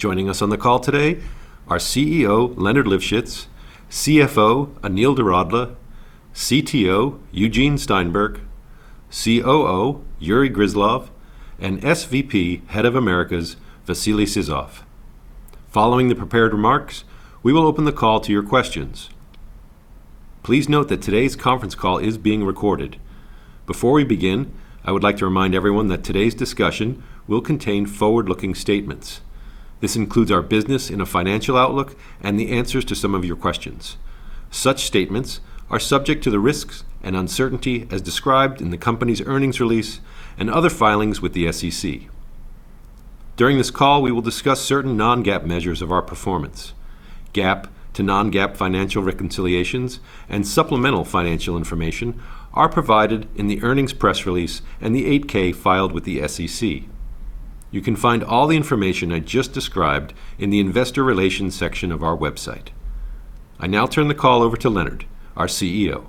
Joining us on the call today are CEO Leonard Livschitz, CFO Anil Doradla, CTO Eugene Steinberg, COO Yury Gryzlov, and SVP Head of Americas Vasily Sizov. Following the prepared remarks, we will open the call to your questions. Please note that today's conference call is being recorded. Before we begin, I would like to remind everyone that today's discussion will contain forward-looking statements. This includes our business in a financial outlook and the answers to some of your questions. Such statements are subject to the risks and uncertainty as described in the company's earnings release and other filings with the SEC. During this call, we will discuss certain non-GAAP measures of our performance. GAAP to non-GAAP financial reconciliations and supplemental financial information are provided in the earnings press release and the 8-K filed with the SEC. You can find all the information I just described in the investor relations section of our website. I now turn the call over to Leonard, our CEO.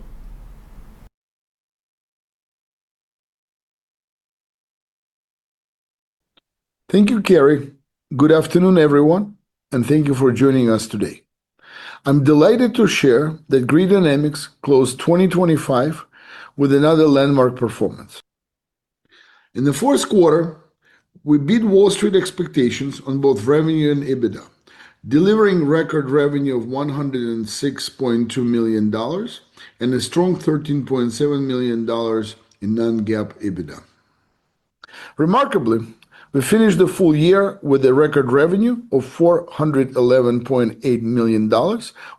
Thank you, Kerry. Good afternoon, everyone, and thank you for joining us today. I'm delighted to share that Grid Dynamics closed 2025 with another landmark performance. In the fourth quarter, we beat Wall Street expectations on both revenue and EBITDA, delivering record revenue of $106.2 million and a strong $13.7 million in non-GAAP EBITDA. Remarkably, we finished the full year with a record revenue of $411.8 million,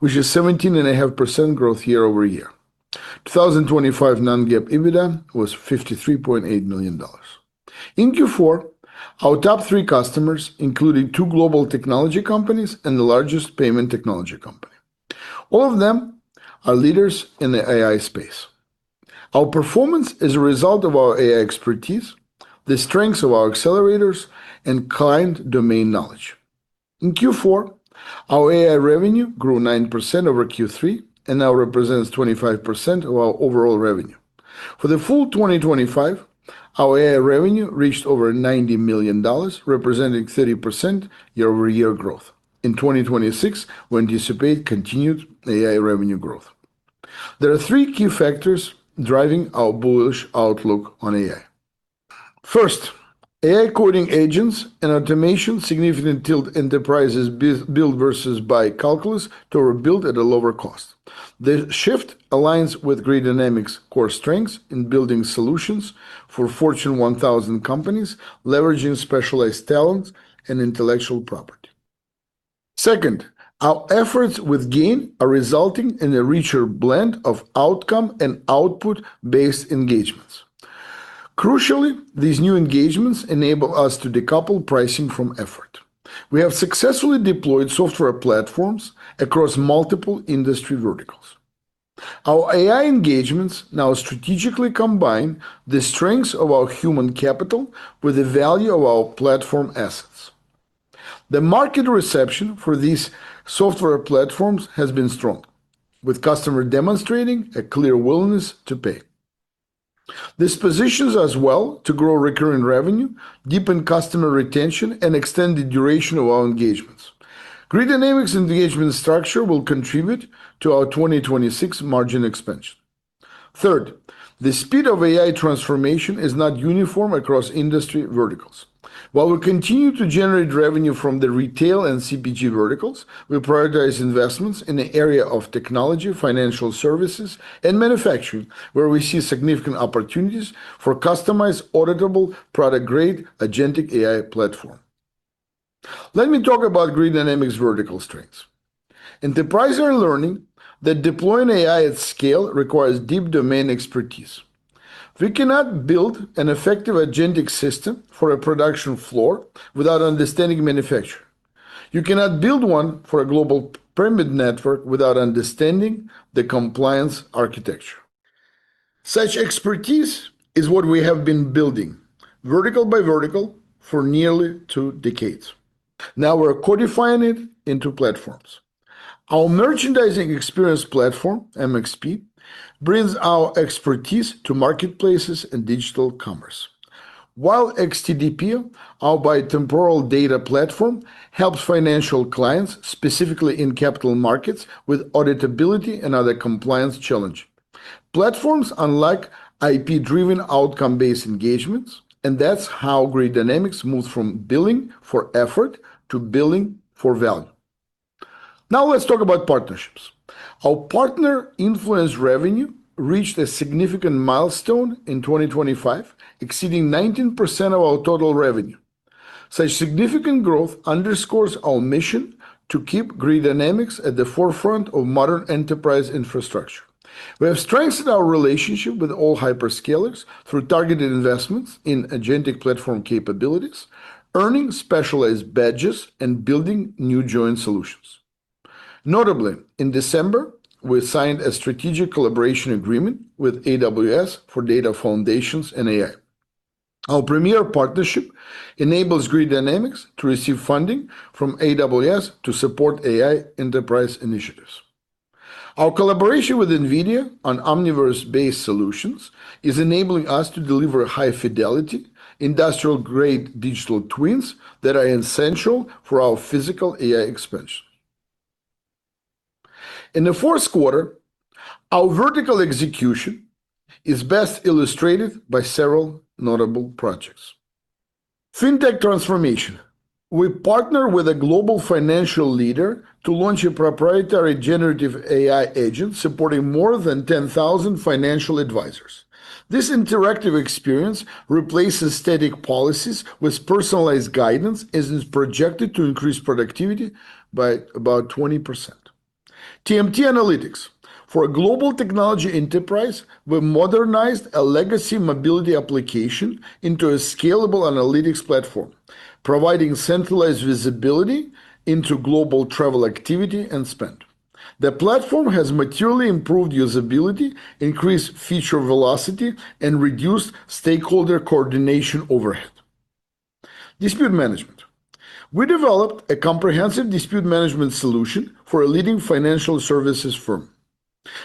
which is 17.5% growth year-over-year. 2025 non-GAAP EBITDA was $53.8 million. In Q4, our top three customers included two global technology companies and the largest payment technology company. All of them are leaders in the AI space. Our performance is a result of our AI expertise, the strengths of our accelerators, and client domain knowledge. In Q4, our AI revenue grew 9% over Q3 and now represents 25% of our overall revenue. For the full 2025, our AI revenue reached over $90 million, representing 30% year-over-year growth. In 2026, we anticipate continued AI revenue growth. There are three key factors driving our bullish outlook on AI. First, AI coding agents and automation significantly tilt enterprises' build versus buy calculus toward build at a lower cost. The shift aligns with Grid Dynamics' core strengths in building solutions for Fortune 1000 companies leveraging specialized talents and intellectual property. Second, our efforts with GAIN are resulting in a richer blend of outcome and output-based engagements. Crucially, these new engagements enable us to decouple pricing from effort. We have successfully deployed software platforms across multiple industry verticals. Our AI engagements now strategically combine the strengths of our human capital with the value of our platform assets. The market reception for these software platforms has been strong, with customer demonstrating a clear willingness to pay. This positions us well to grow recurring revenue, deepen customer retention, and extend the duration of our engagements. Grid Dynamics' engagement structure will contribute to our 2026 margin expansion. Third, the speed of AI transformation is not uniform across industry verticals. While we continue to generate revenue from the retail and CPG verticals, we prioritize investments in the area of technology, financial services, and manufacturing, where we see significant opportunities for customized, auditable, product-grade agentic AI platform. Let me talk about Grid Dynamics' vertical strengths. Enterprises are learning that deploying AI at scale requires deep domain expertise. We cannot build an effective agentic system for a production floor without understanding manufacturing. You cannot build one for a global payment network without understanding the compliance architecture. Such expertise is what we have been building vertical by vertical for nearly two decades. We're codifying it into platforms. Our Merchandising Experience Platform, MXP, brings our expertise to marketplaces and digital commerce. While XTDPO, our bitemporal data platform, helps financial clients, specifically in capital markets, with auditability and other compliance challenge. Platforms unlike IP-driven outcome-based engagements, and that's how Grid Dynamics moves from billing for effort to billing for value. Let's talk about partnerships. Our partner influence revenue reached a significant milestone in 2025, exceeding 19% of our total revenue. Such significant growth underscores our mission to keep Grid Dynamics at the forefront of modern enterprise infrastructure. We have strengthened our relationship with all hyperscalers through targeted investments in agentic platform capabilities, earning specialized badges, and building new joint solutions. Notably, in December, we signed a strategic collaboration agreement with AWS for data foundations and AI. Our premier partnership enables Grid Dynamics to receive funding from AWS to support AI enterprise initiatives. Our collaboration with NVIDIA on Omniverse-based solutions is enabling us to deliver high fidelity, industrial-grade digital twins that are essential for our physical AI expansion. In the fourth quarter, our vertical execution is best illustrated by several notable projects. Fintech transformation. We partner with a global financial leader to launch a proprietary generative AI agent supporting more than 10,000 financial advisors. This interactive experience replaces static policies with personalized guidance and is projected to increase productivity by about 20%. TMT analytics. For a global technology enterprise, we modernized a legacy mobility application into a scalable analytics platform, providing centralized visibility into global travel activity and spend. The platform has materially improved usability, increased feature velocity, and reduced stakeholder coordination overhead. Dispute management. We developed a comprehensive dispute management solution for a leading financial services firm.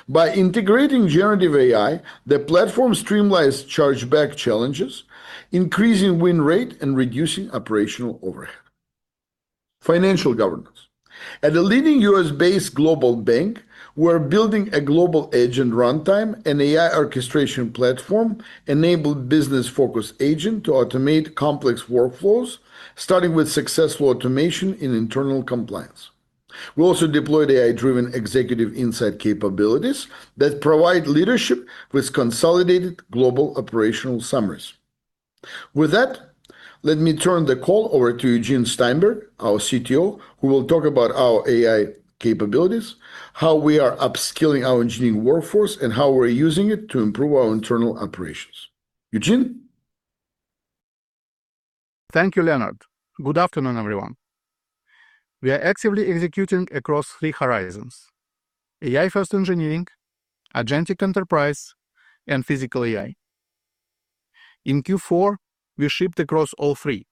By integrating generative AI, the platform streamlines chargeback challenges, increasing win rate and reducing operational overhead. Financial governance. At a leading US-based global bank, we're building a global agent runtime and AI orchestration platform-enabled business-focused agent to automate complex workflows, starting with successful automation in internal compliance. We also deployed AI-driven executive insight capabilities that provide leadership with consolidated global operational summaries. Let me turn the call over to Eugene Steinberg, our CTO, who will talk about our AI capabilities, how we are upskilling our engineering workforce, and how we're using it to improve our internal operations. Eugene? Thank you, Leonard. Good afternoon, everyone. We are actively executing across three horizons: AI-first engineering, agentic enterprise, and physical AI. In Q4, we shipped across all three,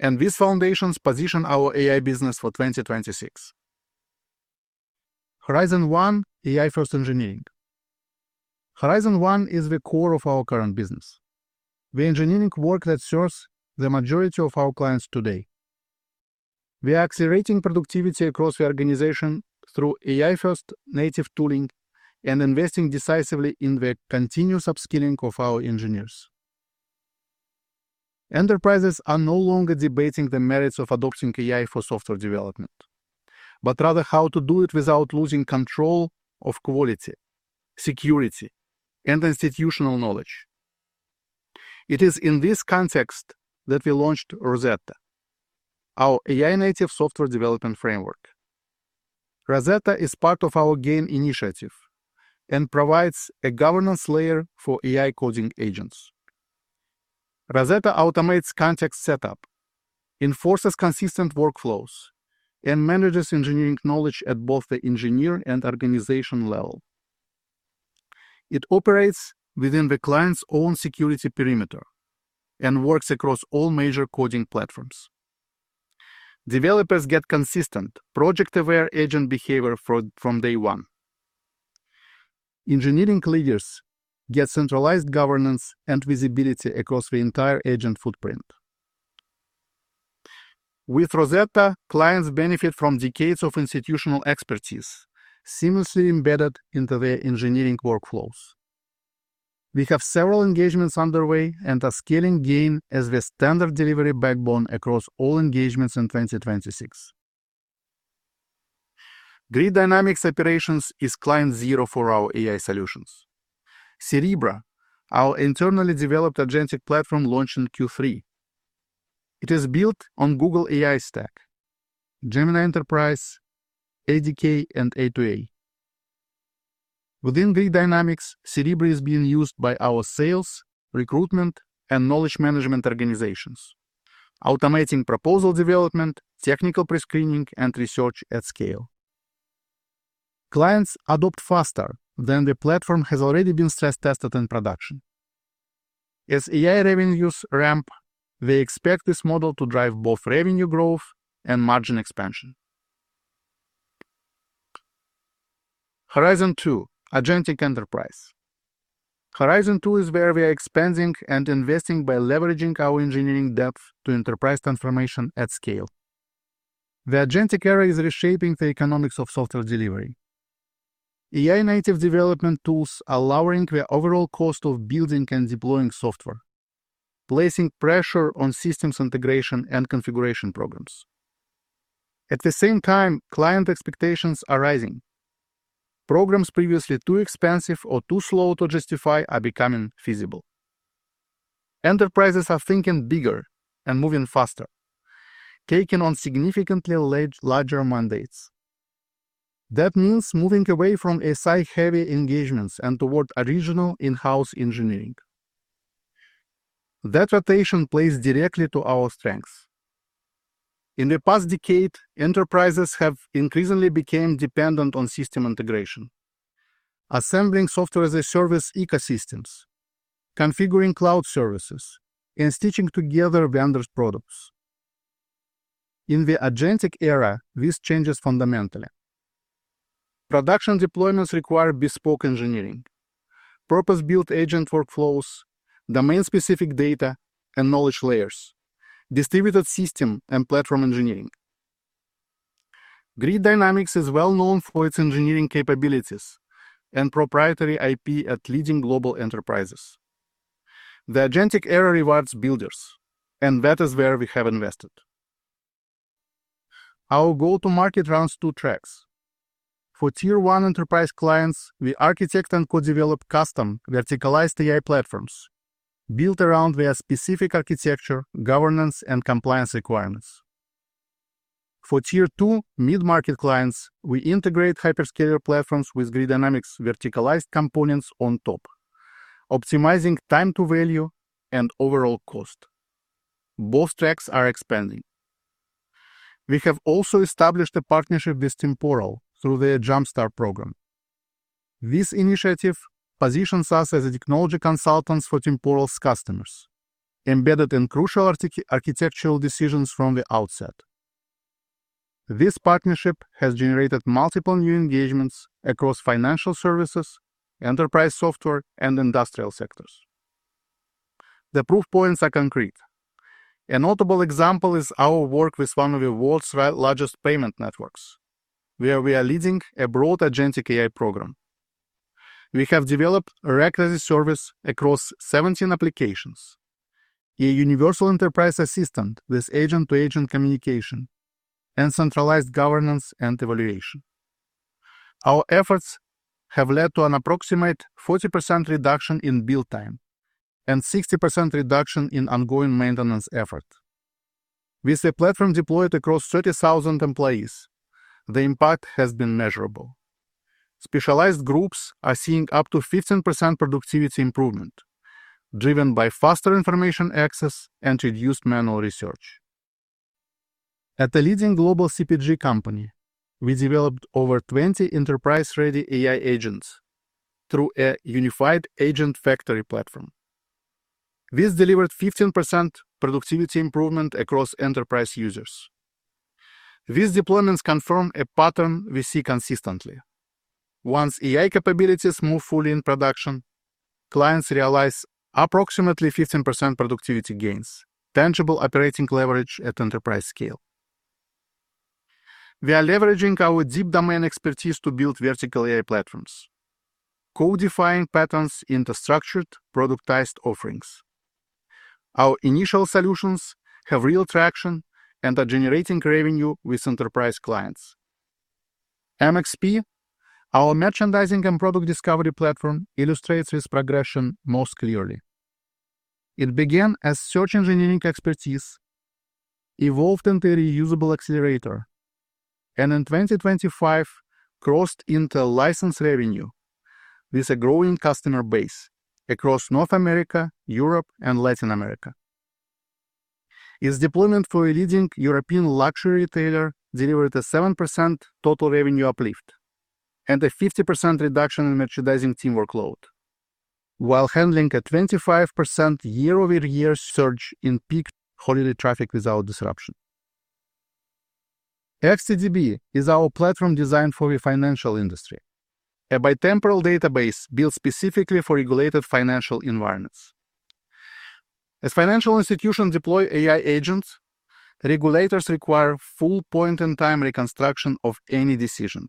and these foundations position our AI business for 2026. Horizon one: AI-first engineering. Horizon one is the core of our current business, the engineering work that serves the majority of our clients today. We are accelerating productivity across the organization through AI-first native tooling and investing decisively in the continuous upskilling of our engineers. Enterprises are no longer debating the merits of adopting AI for software development, but rather how to do it without losing control of quality, security, and institutional knowledge. It is in this context that we launched Rosetta, our AI-native software development framework. Rosetta is part of our GAIN initiative and provides a governance layer for AI coding agents. Rosetta automates context setup, enforces consistent workflows, and manages engineering knowledge at both the engineer and organization level. It operates within the client's own security perimeter and works across all major coding platforms. Developers get consistent project-aware agent behavior from day one. Engineering leaders get centralized governance and visibility across the entire agent footprint. With Rosetta, clients benefit from decades of institutional expertise seamlessly embedded into their engineering workflows. We have several engagements underway and are scaling GAIN as the standard delivery backbone across all engagements in 2026. Grid Dynamics Operations is client zero for our AI solutions. Cerebra, our internally developed agentic platform, launched in Q3. It is built on Google AI Stack, Gemini Enterprise, ADK, and A2A. Within Grid Dynamics, Cerebra is being used by our sales, recruitment, and knowledge management organizations, automating proposal development, technical pre-screening, and research at scale. Clients adopt faster than the platform has already been stress tested in production. As AI revenues ramp, we expect this model to drive both revenue growth and margin expansion. Horizon two: Agentic enterprise. Horizon two is where we are expanding and investing by leveraging our engineering depth to enterprise transformation at scale. The agentic era is reshaping the economics of software delivery. AI-native development tools are lowering the overall cost of building and deploying software, placing pressure on systems integration and configuration programs. At the same time, client expectations are rising. Programs previously too expensive or too slow to justify are becoming feasible. Enterprises are thinking bigger and moving faster, taking on significantly larger mandates. That means moving away from SI-heavy engagements and toward original in-house engineering. That rotation plays directly to our strengths. In the past decade, enterprises have increasingly became dependent on system integration, assembling software-as-a-service ecosystems, configuring cloud services, and stitching together vendors' products. In the agentic era, this changes fundamentally. Production deployments require bespoke engineering, purpose-built agent workflows, domain-specific data and knowledge layers, distributed system and platform engineering. Grid Dynamics is well known for its engineering capabilities and proprietary IP at leading global enterprises. The agentic era rewards builders, and that is where we have invested. Our go-to-market runs two tracks. For tier one enterprise clients, we architect and co-develop custom verticalized AI platforms built around their specific architecture, governance, and compliance requirements. For tier two mid-market clients, we integrate hyperscaler platforms with Grid Dynamics' verticalized components on top, optimizing time to value and overall cost. Both tracks are expanding. We have also established a partnership with Temporal through their Jumpstart program. This initiative positions us as a technology consultant for Temporal's customers, embedded in crucial architectural decisions from the outset. This partnership has generated multiple new engagements across financial services, enterprise software, and industrial sectors. The proof points are concrete. A notable example is our work with one of the world's largest payment networks, where we are leading a broad agentic AI program. We have developed a rack-as-a-service across 17 applications, a universal enterprise assistant with agent-to-agent communication, and centralized governance and evaluation. Our efforts have led to an approximate 40% reduction in build time and 60% reduction in ongoing maintenance effort. With the platform deployed across 30,000 employees, the impact has been measurable. Specialized groups are seeing up to 15% productivity improvement, driven by faster information access and reduced manual research. At the leading global CPG company, we developed over 20 enterprise-ready AI agents through a unified agent factory platform. This delivered 15% productivity improvement across enterprise users. These deployments confirm a pattern we see consistently. Once AI capabilities move fully in production, clients realize approximately 15% productivity gains, tangible operating leverage at enterprise scale. We are leveraging our deep domain expertise to build vertical AI platforms, co-defining patterns into structured, productized offerings. Our initial solutions have real traction and are generating revenue with enterprise clients. MXP, our merchandising and product discovery platform, illustrates this progression most clearly. It began as search engineering expertise, evolved into a reusable accelerator, and in 2025, crossed into license revenue with a growing customer base across North America, Europe, and Latin America. Its deployment for a leading European luxury retailer delivered a 7% total revenue uplift and a 50% reduction in merchandising team workload while handling a 25% year-over-year surge in peak holiday traffic without disruption. XDB is our platform designed for the financial industry, a bitemporal database built specifically for regulated financial environments. As financial institutions deploy AI agents, regulators require full point-in-time reconstruction of any decision.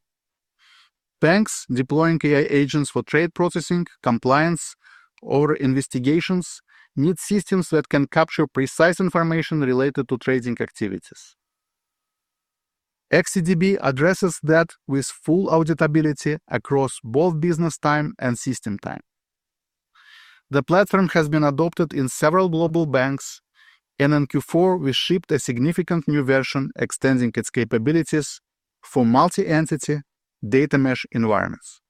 Banks deploying AI agents for trade processing, compliance, or investigations need systems that can capture precise information related to trading activities. XDB addresses that with full auditability across both business time and system time. The platform has been adopted in several global banks. In Q4, we shipped a significant new version extending its capabilities for multi-entity data mesh environments.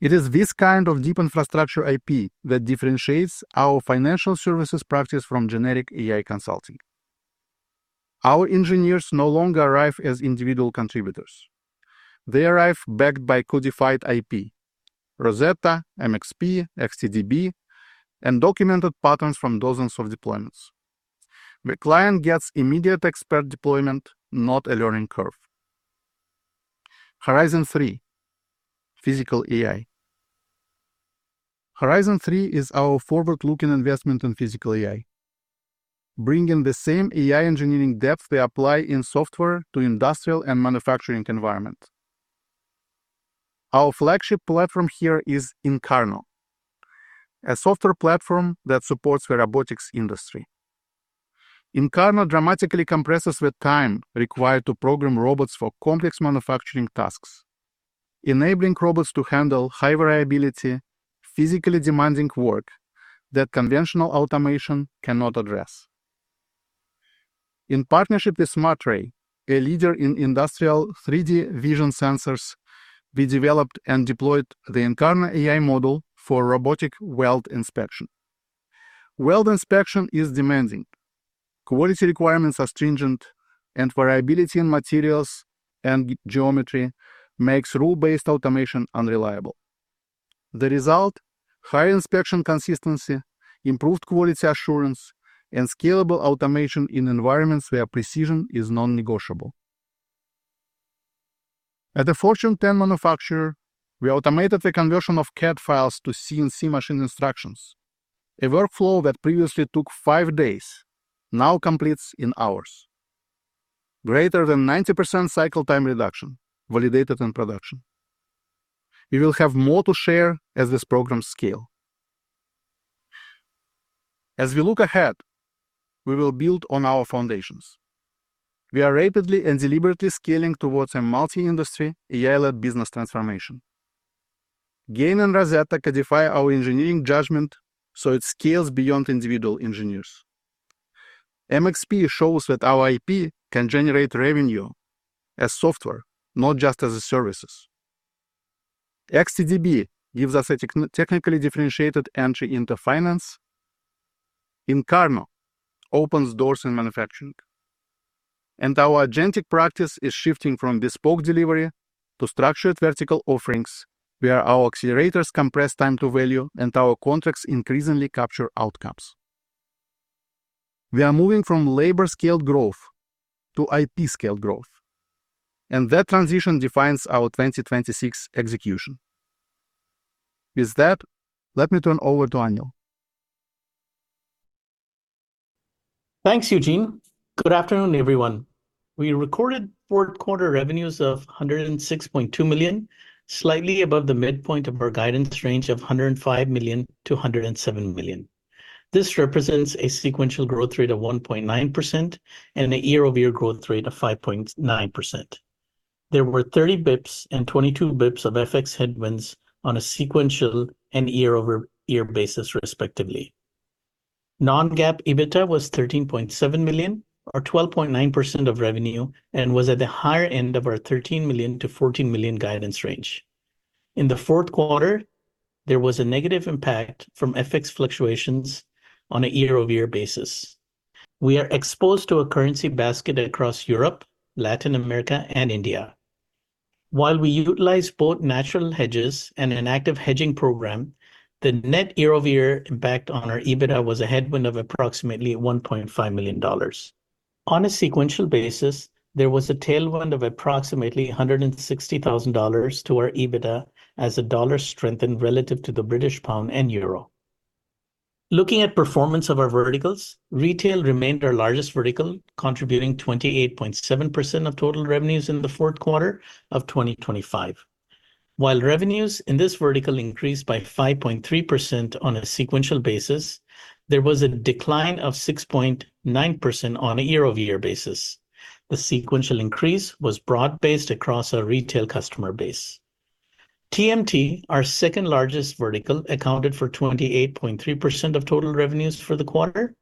It is this kind of deep infrastructure IP that differentiates our financial services practice from generic AI consulting. Our engineers no longer arrive as individual contributors. They arrive backed by codified IP, Rosetta, MXP, XDB, and documented patterns from dozens of deployments. The client gets immediate expert deployment, not a learning curve. Horizon three, physical AI. Horizon three is our forward-looking investment in physical AI, bringing the same AI engineering depth we apply in software to industrial and manufacturing environment. Our flagship platform here is Incarno, a software platform that supports the robotics industry. Incarno dramatically compresses the time required to program robots for complex manufacturing tasks, enabling robots to handle high variability, physically demanding work that conventional automation cannot address. In partnership with SmartRay, a leader in industrial 3D vision sensors, we developed and deployed the Incarno AI model for robotic weld inspection. Weld inspection is demanding. Quality requirements are stringent, and variability in materials and geometry makes rule-based automation unreliable. The result, high inspection consistency, improved quality assurance, and scalable automation in environments where precision is non-negotiable. At a Fortune 10 manufacturer, we automated the conversion of CAD files to CNC machine instructions. A workflow that previously took five days now completes in hours. Greater than 90% cycle time reduction validated in production. We will have more to share as this programs scale. As we look ahead, we will build on our foundations. We are rapidly and deliberately scaling towards a multi-industry AI-led business transformation. GAIN and Rosetta codify our engineering judgment so it scales beyond individual engineers. MXP shows that our IP can generate revenue as software, not just as a services. XDB gives us a technically differentiated entry into finance. Incarno opens doors in manufacturing. Our agentic practice is shifting from bespoke delivery to structured vertical offerings, where our accelerators compress time to value and our contracts increasingly capture outcomes. We are moving from labor-scaled growth to IP-scaled growth, that transition defines our 2026 execution. With that, let me turn over to Anil. Thanks, Eugene. Good afternoon, everyone. We recorded fourth quarter revenues of $106.2 million, slightly above the midpoint of our guidance range of $105 million-$107 million. This represents a sequential growth rate of 1.9% and a year-over-year growth rate of 5.9%. There were 30 BPS and 22 BPS of FX headwinds on a sequential and year-over-year basis, respectively. non-GAAP EBITDA was $13.7 million or 12.9% of revenue and was at the higher end of our $13 million-$14 million guidance range. In the fourth quarter, there was a negative impact from FX fluctuations on a year-over-year basis. We are exposed to a currency basket across Europe, Latin America and India. While we utilize both natural hedges and an active hedging program, the net year-over-year impact on our EBITDA was a headwind of approximately $1.5 million. On a sequential basis, there was a tailwind of approximately $160,000 to our EBITDA as the dollar strengthened relative to the British pound and euro. Looking at performance of our verticals, retail remained our largest vertical, contributing 28.7% of total revenues in the fourth quarter of 2025. While revenues in this vertical increased by 5.3% on a sequential basis, there was a decline of 6.9% on a year-over-year basis. The sequential increase was broad-based across our retail customer base. TMT, our second-largest vertical, accounted for 28.3% of total revenues for the quarter.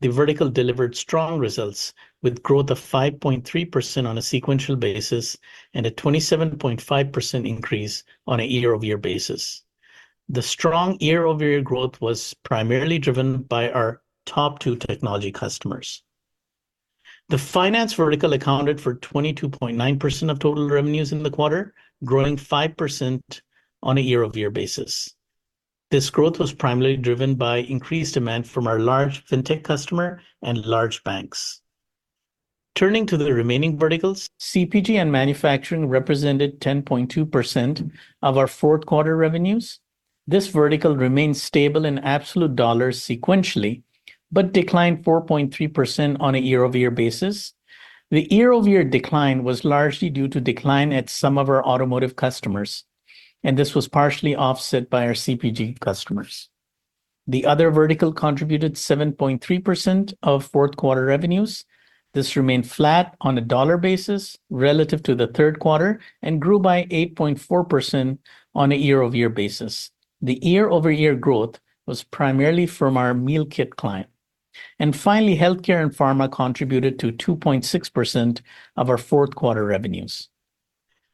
The vertical delivered strong results with growth of 5.3% on a sequential basis and a 27.5% increase on a year-over-year basis. The strong year-over-year growth was primarily driven by our top two technology customers. The finance vertical accounted for 22.9% of total revenues in the quarter, growing 5% on a year-over-year basis. This growth was primarily driven by increased demand from our large fintech customer and large banks. Turning to the remaining verticals, CPG and manufacturing represented 10.2% of our fourth quarter revenues. This vertical remained stable in absolute dollars sequentially, but declined 4.3% on a year-over-year basis. The year-over-year decline was largely due to decline at some of our automotive customers, and this was partially offset by our CPG customers. The other vertical contributed 7.3% of fourth quarter revenues. This remained flat on a dollar basis relative to the third quarter and grew by 8.4% on a year-over-year basis. The year-over-year growth was primarily from our meal kit client. Finally, healthcare and pharma contributed to 2.6% of our fourth quarter revenues.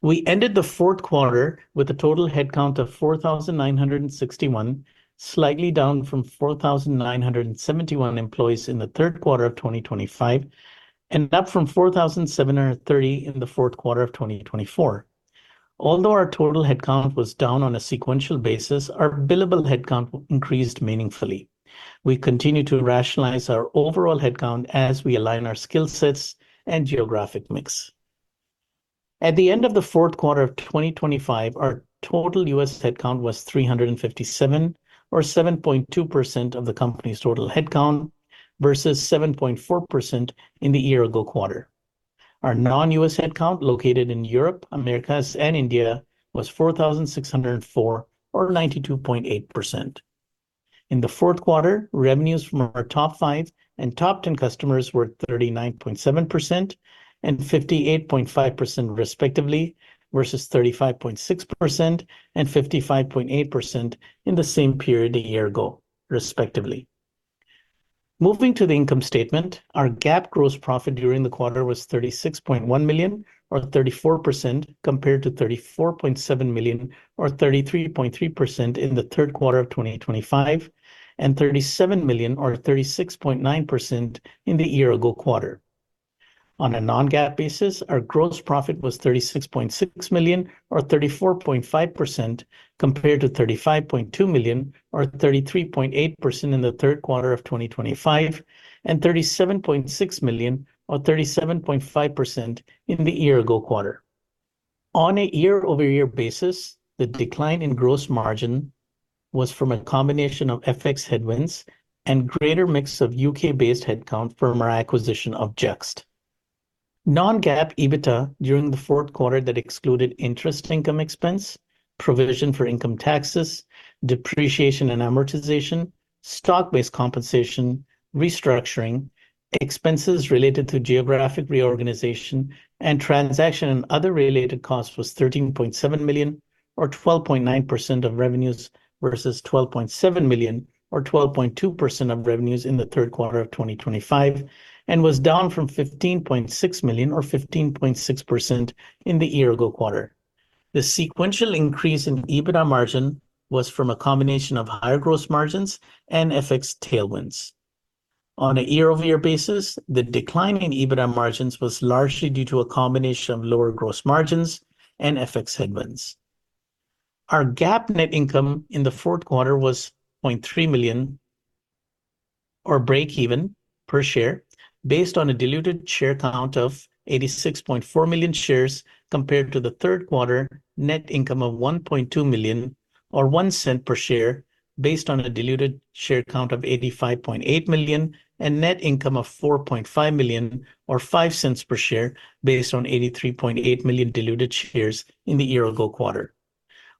We ended the fourth quarter with a total headcount of 4,961, slightly down from 4,971 employees in the third quarter of 2025, and up from 4,730 in the fourth quarter of 2024. Although our total headcount was down on a sequential basis, our billable headcount increased meaningfully. We continue to rationalize our overall headcount as we align our skill sets and geographic mix. At the end of the fourth quarter of 2025, our total U.S. headcount was 357 or 7.2% of the company's total headcount versus 7.4% in the year-ago quarter. Our non-U.S. headcount, located in Europe, Americas and India, was 4,604 or 92.8%. In the fourth quarter, revenues from our top five and top 10 customers were 39.7% and 58.5%, respectively, versus 35.6% and 55.8% in the same period a year ago, respectively. Moving to the income statement, our GAAP gross profit during the quarter was $36.1 million or 34% compared to $34.7 million or 33.3% in the third quarter of 2025, and $37 million or 36.9% in the year-ago quarter. On a non-GAAP basis, our gross profit was $36.6 million or 34.5% compared to $35.2 million or 33.8% in the third quarter of 2025, and $37.6 million or 37.5% in the year-ago quarter. On a year-over-year basis, the decline in gross margin was from a combination of FX headwinds and greater mix of UK-based headcount from our acquisition of JUXT. Non-GAAP EBITDA during the fourth quarter that excluded interest income expense, provision for income taxes, depreciation and amortization, stock-based compensation, restructuring, expenses related to geographic reorganization and transaction and other related costs was $13.7 million or 12.9% of revenues versus $12.7 million or 12.2% of revenues in the third quarter of 2025, and was down from $15.6 million or 15.6% in the year ago quarter. The sequential increase in EBITDA margin was from a combination of higher gross margins and FX tailwinds. On a year-over-year basis, the decline in EBITDA margins was largely due to a combination of lower gross margins and FX headwinds. Our GAAP net income in the fourth quarter was $0.3 million or breakeven per share based on a diluted share count of 86.4 million shares compared to the third quarter net income of $1.2 million or $0.01 per share based on a diluted share count of 85.8 million, and net income of $4.5 million or $0.05 per share based on 83.8 million diluted shares in the year-ago quarter.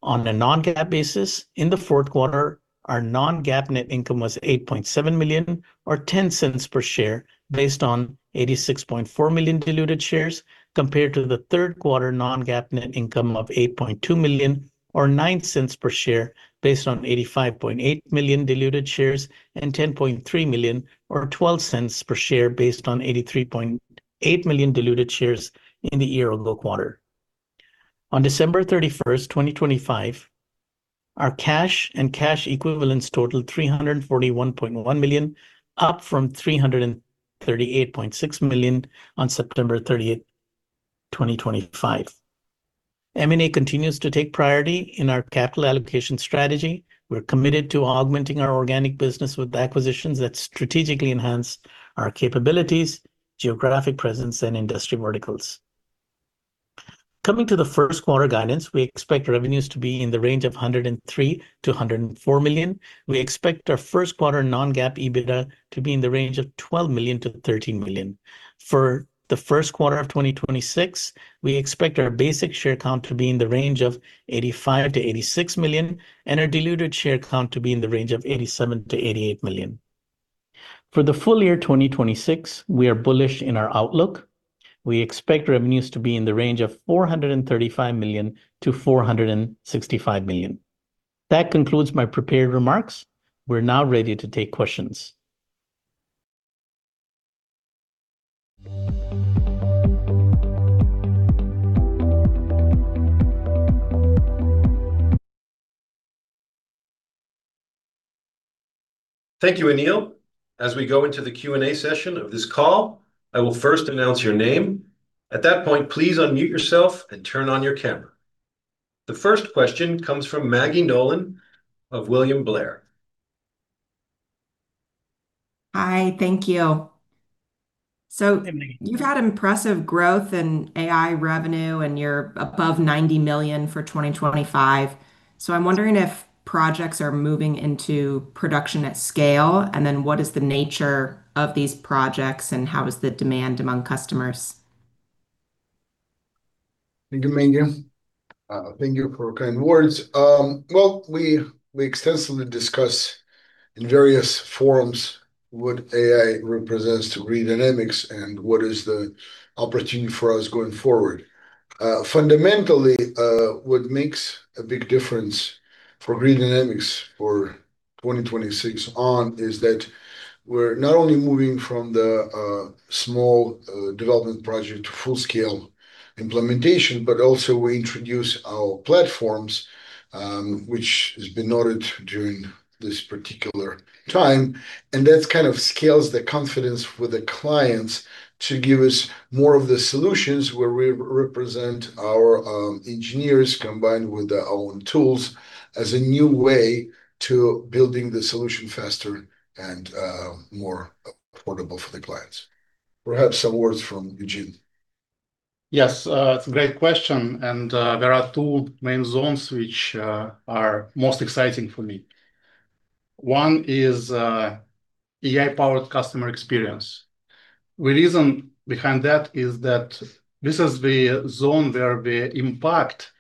On a non-GAAP basis, in the fourth quarter, our non-GAAP net income was $8.7 million or $0.10 per share based on 86.4 million diluted shares compared to the third quarter non-GAAP net income of $8.2 million or $0.09 per share based on 85.8 million diluted shares and $10.3 million or $0.12 per share based on 83.8 million diluted shares in the year ago quarter. On December 31st, 2025, our cash and cash equivalents totaled $341.1 million, up from $338.6 million on September 30th, 2025. M&A continues to take priority in our capital allocation strategy. We're committed to augmenting our organic business with acquisitions that strategically enhance our capabilities, geographic presence and industry verticals. Coming to the first quarter guidance, we expect revenues to be in the range of $103 million-$104 million. We expect our first quarter non-GAAP EBITDA to be in the range of $12 million-$13 million. For the first quarter of 2026, we expect our basic share count to be in the range of $85 million-$86 million, and our diluted share count to be in the range of $87 million-$88 million. For the full year 2026, we are bullish in our outlook. We expect revenues to be in the range of $435 million-$465 million. That concludes my prepared remarks. We're now ready to take questions. Thank you, Anil. As we go into the Q&A session of this call, I will first announce your name. At that point, please unmute yourself and turn on your camera. The first question comes from Maggie Nolan of William Blair. Hi. Thank you. Hey, Maggie. You've had impressive growth in AI revenue, and you're above $90 million for 2025. I'm wondering if projects are moving into production at scale. What is the nature of these projects, and how is the demand among customers? Thank you, Maggie. Thank you for kind words. Well, we extensively discuss in various forums what AI represents to Grid Dynamics and what is the opportunity for us going forward. Fundamentally, what makes a big difference for Grid Dynamics for 2026 on is that we're not only moving from the small development project to full-scale implementation, but also we introduce our platforms, which has been noted during this particular time, and that's kind of scales the confidence with the clients to give us more of the solutions where we represent our engineers combined with their own tools as a new way to building the solution faster and more affordable for the clients. Perhaps some words from Eugene. Yes, it's a great question, and there are two main zones which are most exciting for me. One is AI-powered customer experience. The reason behind that is that this is the zone where the impact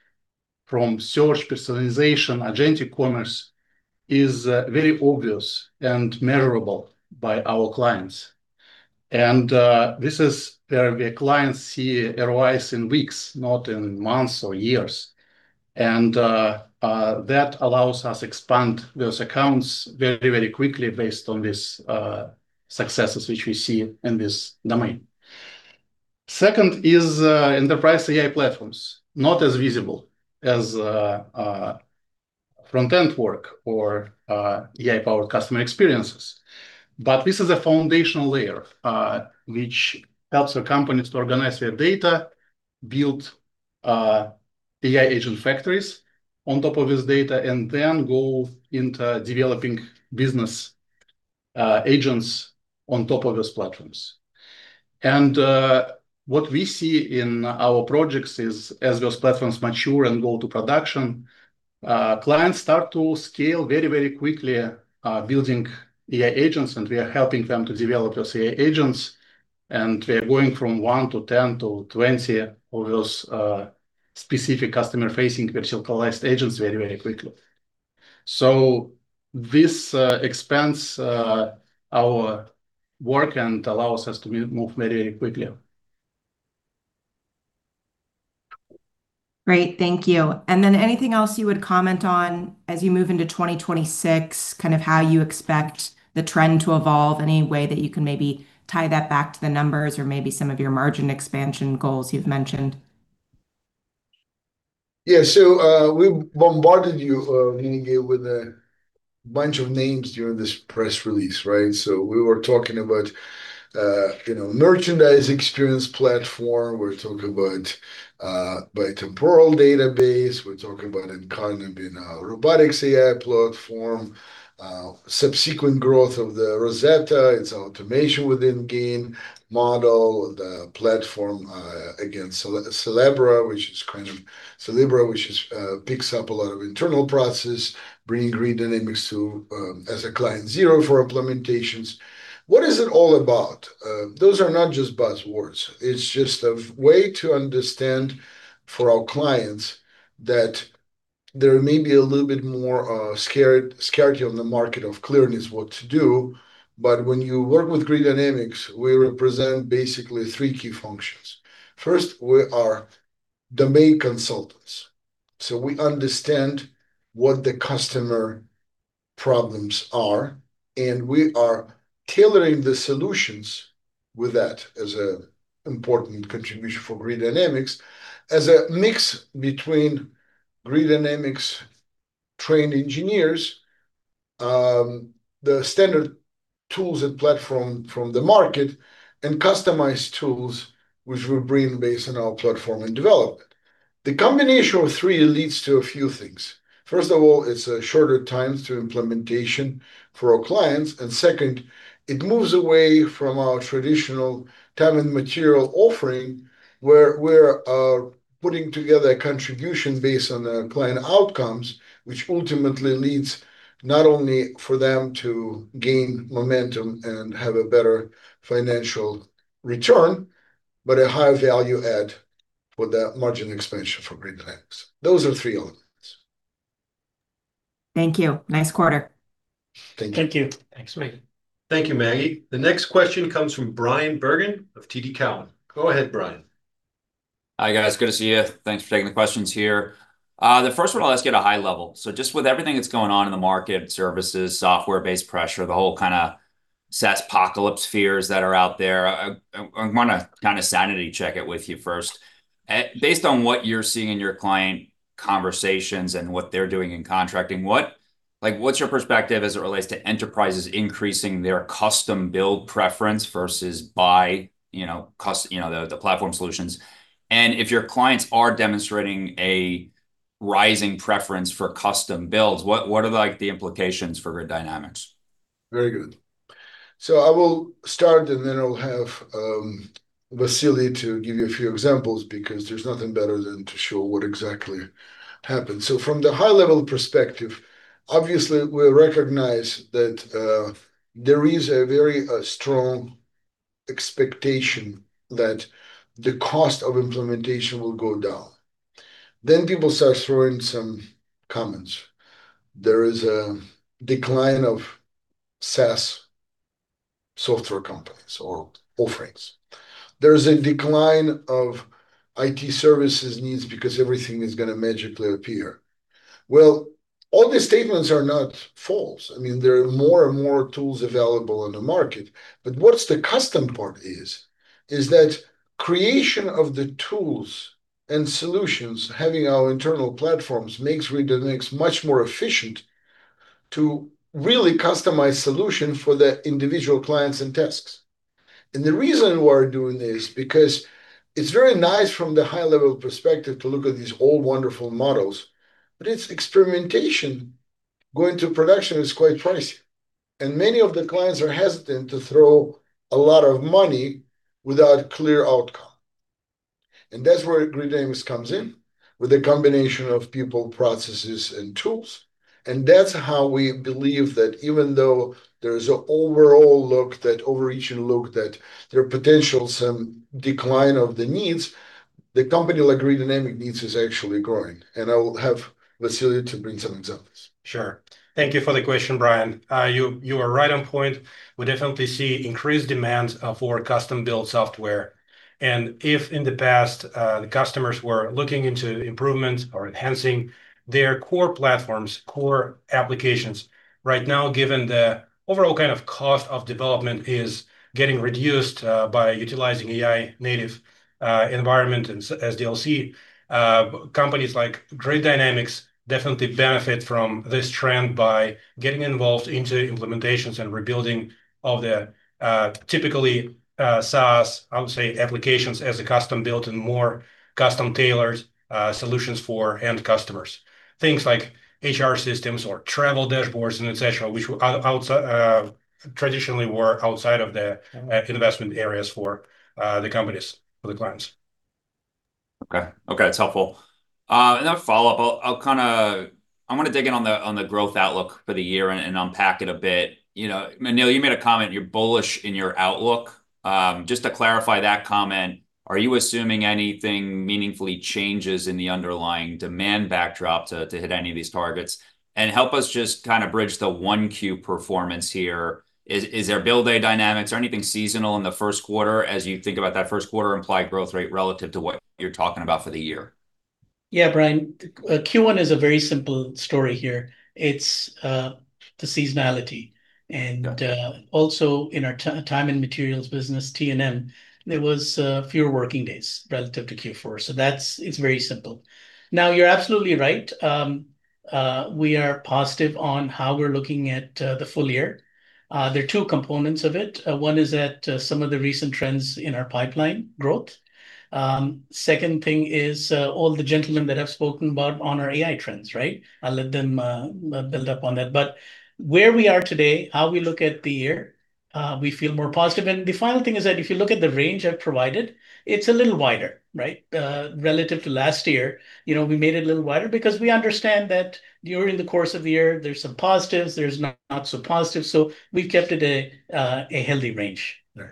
from search personalization, agent commerce is very obvious and measurable by our clients. This is where the clients see ROIs in weeks, not in months or years. That allows us expand those accounts very, very quickly based on this successes which we see in this domain. Second is enterprise AI platforms, not as visible as. Front-end work or AI-powered customer experiences. This is a foundational layer, which helps the companies to organize their data, build AI agent factories on top of this data, and then go into developing business agents on top of these platforms. What we see in our projects is, as those platforms mature and go to production, clients start to scale very, very quickly, building AI agents, and we are helping them to develop those AI agents. We are going from one to 10 to 20 of those, specific customer-facing virtual agents very, very quickly. This expands our work and allows us to move very quickly. Great. Thank you. Anything else you would comment on as you move into 2026, kind of how you expect the trend to evolve? Any way that you can maybe tie that back to the numbers or maybe some of your margin expansion goals you've mentioned? Yeah. We bombarded you, with a bunch of names during this press release, right? We were talking about, you know, Merchandising Experience Platform. We're talking about bitemporal database. We're talking about Incarnate, you know, robotics AI platform, subsequent growth of the Rosetta, its automation within GAIN model, the platform, against Cerebra, which is, picks up a lot of internal process, bringing Grid Dynamics to as a client zero for implementations. What is it all about? Those are not just buzzwords. It's just a way to understand for our clients that there may be a little bit more scarcity on the market of clearing is what to do. When you work with Grid Dynamics, we represent basically three key functions. First, we are domain consultants, so we understand what the customer problems are, and we are tailoring the solutions with that as an important contribution for Grid Dynamics, as a mix between Grid Dynamics trained engineers, the standard tools and platform from the market, and customized tools which we bring based on our platform and development. The combination of three leads to a few things. First of all, it's shorter times to implementation for our clients. Second, it moves away from our traditional time and material offering, where we're putting together a contribution based on the client outcomes, which ultimately leads not only for them to gain momentum and have a better financial return, but a higher value add for the margin expansion for Grid Dynamics. Those are three elements. Thank you. Nice quarter. Thank you. Thank you. Thanks, Maggie. Thank you, Maggie. The next question comes from Brian Bergen of TD Cowen. Go ahead, Brian. Hi, guys. Good to see you. Thanks for taking the questions here. The first one I'll ask at a high level. Just with everything that's going on in the market, services, software-based pressure, the whole kind of SaaSpocalypse fears that are out there, I wanna kind of sanity check it with you first. Based on what you're seeing in your client conversations and what they're doing in contracting, what, like, what's your perspective as it relates to enterprises increasing their custom build preference versus buy, you know, you know, the platform solutions? If your clients are demonstrating a rising preference for custom builds, what are, like, the implications for Grid Dynamics? Very good. I will start, and then I'll have Vasily to give you a few examples because there's nothing better than to show what exactly happened. From the high level perspective, obviously, we recognize that there is a very strong expectation that the cost of implementation will go down. People start throwing some comments. There is a decline of SaaS software companies or offerings. There's a decline of IT services needs because everything is gonna magically appear. All these statements are not false. I mean, there are more and more tools available on the market. What's the custom part is that creation of the tools and solutions, having our internal platforms makes Grid Dynamics much more efficient to really customize solution for the individual clients and tasks. The reason we're doing this, because it's very nice from the high level perspective to look at these all wonderful models, but it's experimentation. Going to production is quite pricey, and many of the clients are hesitant to throw a lot of money without clear outcome. That's where Grid Dynamics comes in with a combination of people, processes, and tools. That's how we believe that even though there is an overall look, overreaching look that there are potential some decline of the needs, the company like Grid Dynamics needs is actually growing. I will have Vasily to bring some examples. Sure. Thank you for the question, Brian. You are right on point. We definitely see increased demand for custom-built software. If in the past, the customers were looking into improvements or enhancing their core platforms, core applications, right now, given the overall kind of cost of development is getting reduced, by utilizing AI-native environment as you'll see, companies like Grid Dynamics definitely benefit from this trend by getting involved into implementations and rebuilding of the, typically, SaaS, I would say, applications as a custom-built and more custom-tailored solutions for end customers. Things like HR systems or travel dashboards and et cetera, which outside traditionally were outside of the investment areas for the companies, for the clients. Okay. Okay, that's helpful. Another follow-up. I wanna dig in on the growth outlook for the year and unpack it a bit. You know, Anil, you made a comment you're bullish in your outlook. Just to clarify that comment, are you assuming anything meaningfully changes in the underlying demand backdrop to hit any of these targets? Help us just kinda bridge the 1Q performance here. Is there bill day dynamics? Is there anything seasonal in the first quarter as you think about that first quarter implied growth rate relative to what you're talking about for the year? Yeah, Brian. Q1 is a very simple story here. It's the seasonality. And also in our time and materials business, T&M, there was fewer working days relative to Q4, so that's. It's very simple. Now, you're absolutely right. We are positive on how we're looking at the full year. There are two components of it. One is that some of the recent trends in our pipeline growth. Second thing is all the gentlemen that I've spoken about on our AI trends, right? I'll let them build up on that. Where we are today, how we look at the year, we feel more positive. The final thing is that if you look at the range I've provided, it's a little wider, right? Relative to last year, you know, we made it a little wider because we understand that during the course of the year there's some positives, there's not so positive, so we've kept it a healthy range. Right.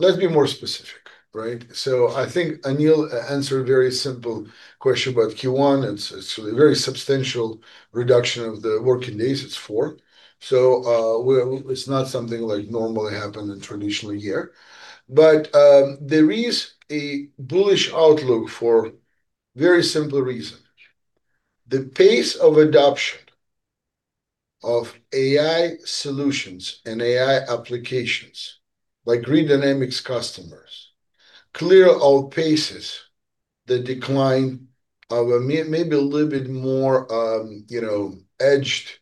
Let's be more specific, right? I think Anil answered a very simple question about Q1. It's, it's a very substantial reduction of the working days it's for, so, it's not something like normally happen in traditional year. There is a bullish outlook for very simple reason. The pace of adoption of AI solutions and AI applications like Grid Dynamics customers clearly outpaces the decline of a maybe a little bit more, you know, edged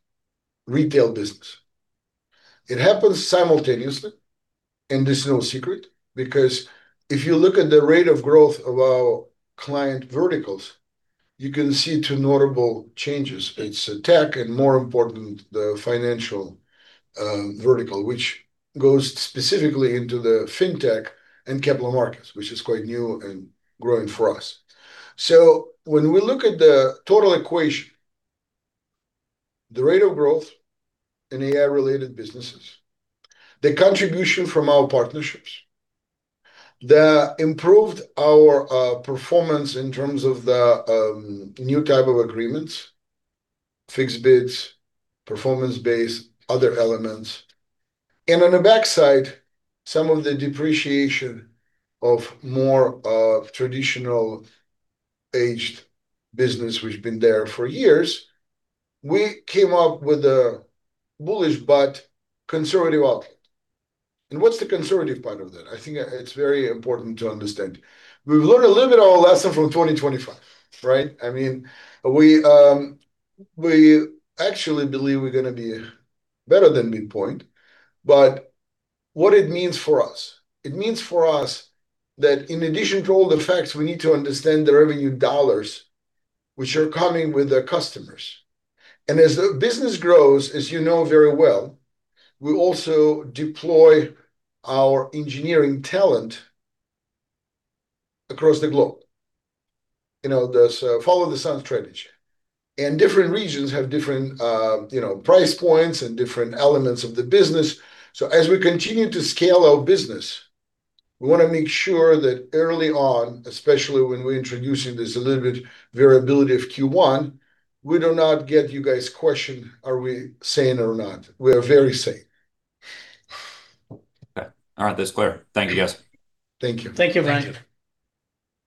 retail business. It happens simultaneously, and this is no secret, because if you look at the rate of growth of our client verticals, you can see two notable changes. It's tech, and more important, the financial vertical, which goes specifically into the fintech and capital markets, which is quite new and growing for us. When we look at the total equation, the rate of growth in AI-related businesses, the contribution from our partnerships that improved our performance in terms of the new type of agreements, fixed bids, performance-based, other elements, and on the backside, some of the depreciation of more traditional aged business which been there for years, we came up with a bullish but conservative outlet. What's the conservative part of that? I think it's very important to understand. We've learned a little bit of a lesson from 2025, right? I mean, we actually believe we're gonna be better than midpoint, but what it means for us, it means for us that in addition to all the facts, we need to understand the revenue dollars which are coming with the customers. As the business grows, as you know very well, we also deploy our engineering talent across the globe. You know, this follow the sun strategy. Different regions have different, you know, price points and different elements of the business, so as we continue to scale our business, we wanna make sure that early on, especially when we're introducing this a little bit variability of Q1, we do not get you guys question, are we sane or not? We are very sane. Okay. All right. That's clear. Thank you, guys. Thank you. Thank you, Brian.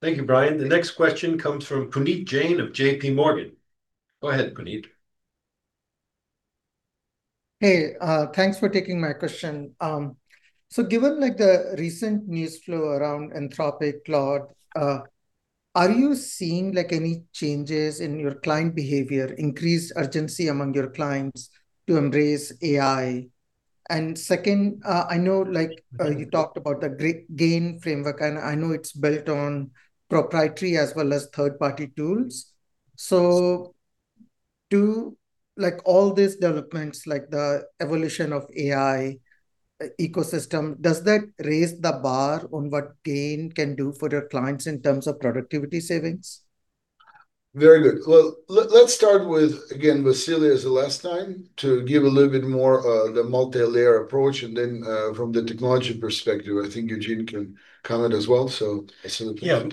Thank you, Brian. The next question comes from Puneet Jain of JPMorgan. Go ahead, Puneet. Hey. Thanks for taking my question. Given, like, the recent news flow around Anthropic, Claude, are you seeing, like, any changes in your client behavior, increased urgency among your clients to embrace AI? Second, I know, like, you talked about the great GAIN framework, and I know it's built on proprietary as well as third-party tools. Do, like, all these developments, like the evolution of AI ecosystem, does that raise the bar on what GAIN can do for your clients in terms of productivity savings? Very good. Let's start with, again, with Ilya as the last time to give a little bit more the multilayer approach, and then from the technology perspective, I think Eugene can comment as well. Ilya, please. Yeah.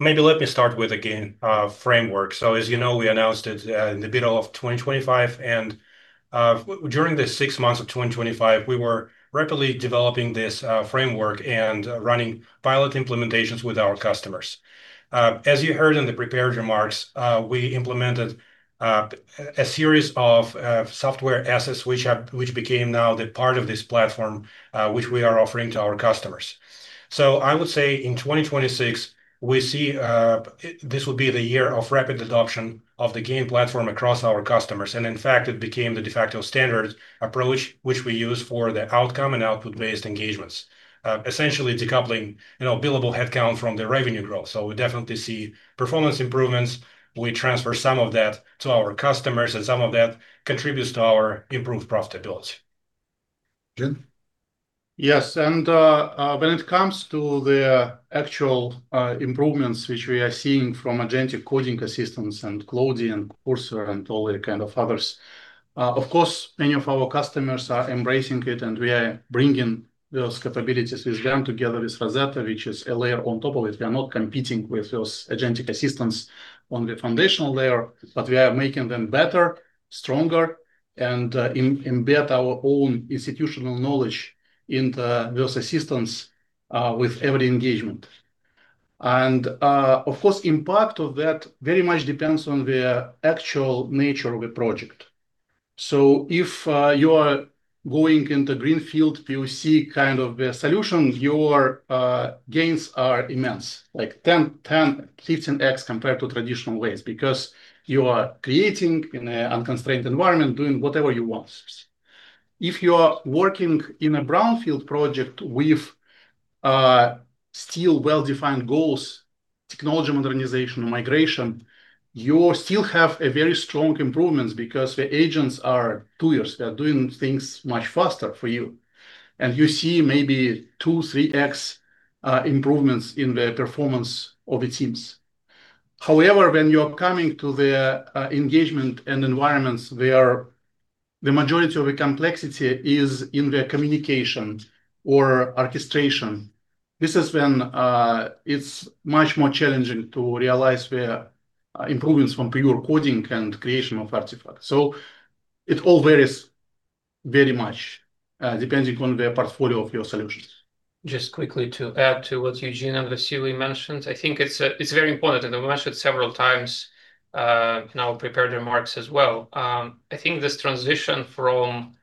Maybe let me start with, again, framework. As you know, we announced it in the middle of 2025, and during the six months of 2025, we were rapidly developing this framework and running pilot implementations with our customers. As you heard in the prepared remarks, we implemented a series of software assets which have, which became now the part of this platform, which we are offering to our customers. I would say in 2026, we see this will be the year of rapid adoption of the GAIN platform across our customers, and in fact, it became the de facto standard approach which we use for the outcome and output-based engagements. Essentially decoupling, you know, billable headcount from the revenue growth. We definitely see performance improvements. We transfer some of that to our customers, and some of that contributes to our improved profitability. Yes, when it comes to the actual improvements which we are seeing from agentic coding assistants and Cody and Cursor and all the kind of others, of course, many of our customers are embracing it, and we are bringing those capabilities with them together with Rosetta, which is a layer on top of it. We are not competing with those agentic assistants on the foundational layer, but we are making them better, stronger, and embed our own institutional knowledge into those assistants, with every engagement. Of course, impact of that very much depends on the actual nature of the project. If you are going into greenfield POC kind of a solution, your gains are immense, like 10, 15x compared to traditional ways, because you are creating in an unconstrained environment, doing whatever you want. If you are working in a brownfield project with still well-defined goals, technology modernization, migration, you still have a very strong improvements because the agents are tools. They are doing things much faster for you, and you see maybe 2, 3x improvements in the performance of the teams. However, when you are coming to the engagement and environments where the majority of the complexity is in the communication or orchestration, this is when it's much more challenging to realize the improvements from pure coding and creation of artifacts. It all varies very much depending on the portfolio of your solutions. Just quickly to add to what Eugene and Vasily mentioned. I think it's very important, and we mentioned several times in our prepared remarks as well. I think this transition from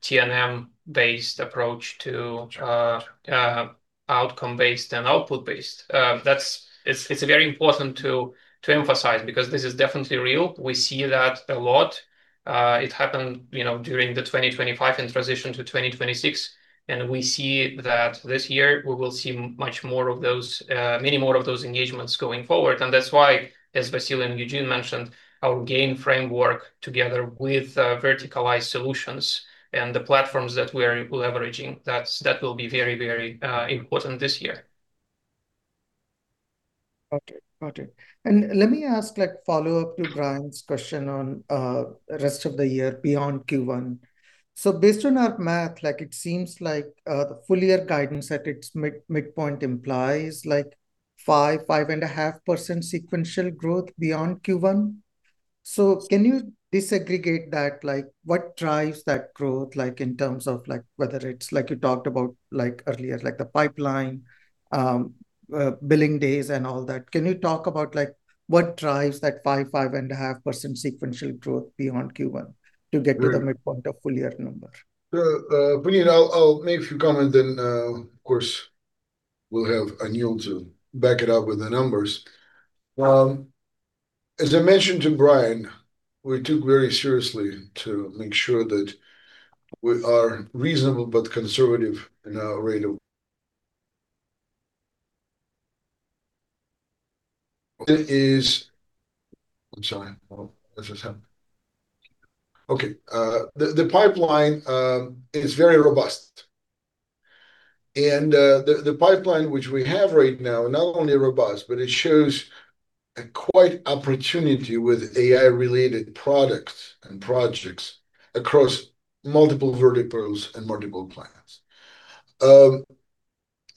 T&M-based approach to outcome-based and output-based, it's very important to emphasize because this is definitely real. We see that a lot. It happened, you know, during the 2025 and transition to 2026, and we see that this year we will see much more of those, many more of those engagements going forward. That's why, as Vasily and Eugene mentioned, our GAIN framework together with verticalized solutions and the platforms that we are leveraging, that will be very, very important this year. Got it. Got it. Let me ask, like, follow-up to Brian's question on rest of the year beyond Q1. Based on our math, like, it seems like the full year guidance at its midpoint implies like 5.5% sequential growth beyond Q1. Can you disaggregate that? Like, what drives that growth, like, in terms of, like, whether it's like you talked about, like earlier, like the pipeline, billing days and all that. Can you talk about, like, what drives that 5.5% sequential growth beyond Q1 to get to the midpoint of full year number? Sure. Puneet, I'll make a few comments then, of course, we'll have Anil to back it up with the numbers. As I mentioned to Brian, we took very seriously to make sure that we are reasonable but conservative in our rate of... It is... I'm sorry. What just happened? Okay. The pipeline is very robust. The pipeline which we have right now, not only robust, but it shows a quite opportunity with AI-related products and projects across multiple verticals and multiple plans.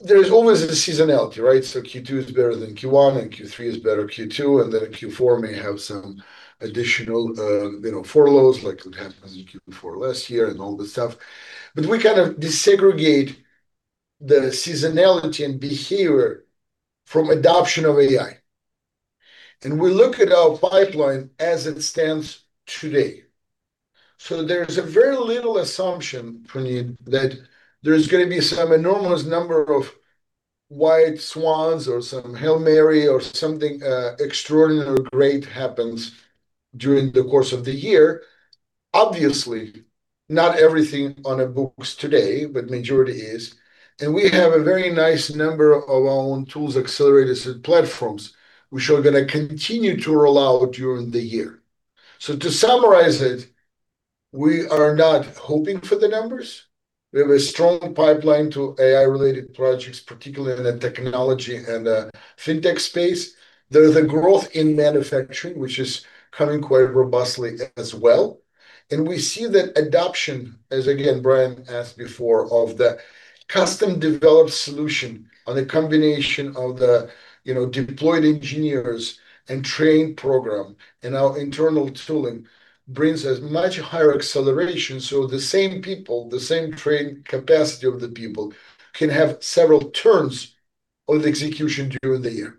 There is always the seasonality, right? Q2 is better than Q1, and Q3 is better Q2, and then Q4 may have some additional, you know, four lows, like what happened in Q4 last year and all this stuff. We kind of desegregate the seasonality and behavior from adoption of AI. We look at our pipeline as it stands today. There's a very little assumption, Puneet, that there's gonna be some enormous number of white swans or some Hail Mary or something extraordinary great happens during the course of the year. Obviously, not everything on our books today, but majority is. We have a very nice number of our own tools, accelerators, and platforms which are gonna continue to roll out during the year. To summarize it, we are not hoping for the numbers. We have a strong pipeline to AI-related projects, particularly in the technology and fintech space. There is a growth in manufacturing, which is coming quite robustly as well. We see that adoption, as again Brian asked before, of the custom-developed solution on a combination of the, you know, deployed engineers and trained program, and our internal tooling brings a much higher acceleration, so the same people, the same trained capacity of the people can have several turns of execution during the year.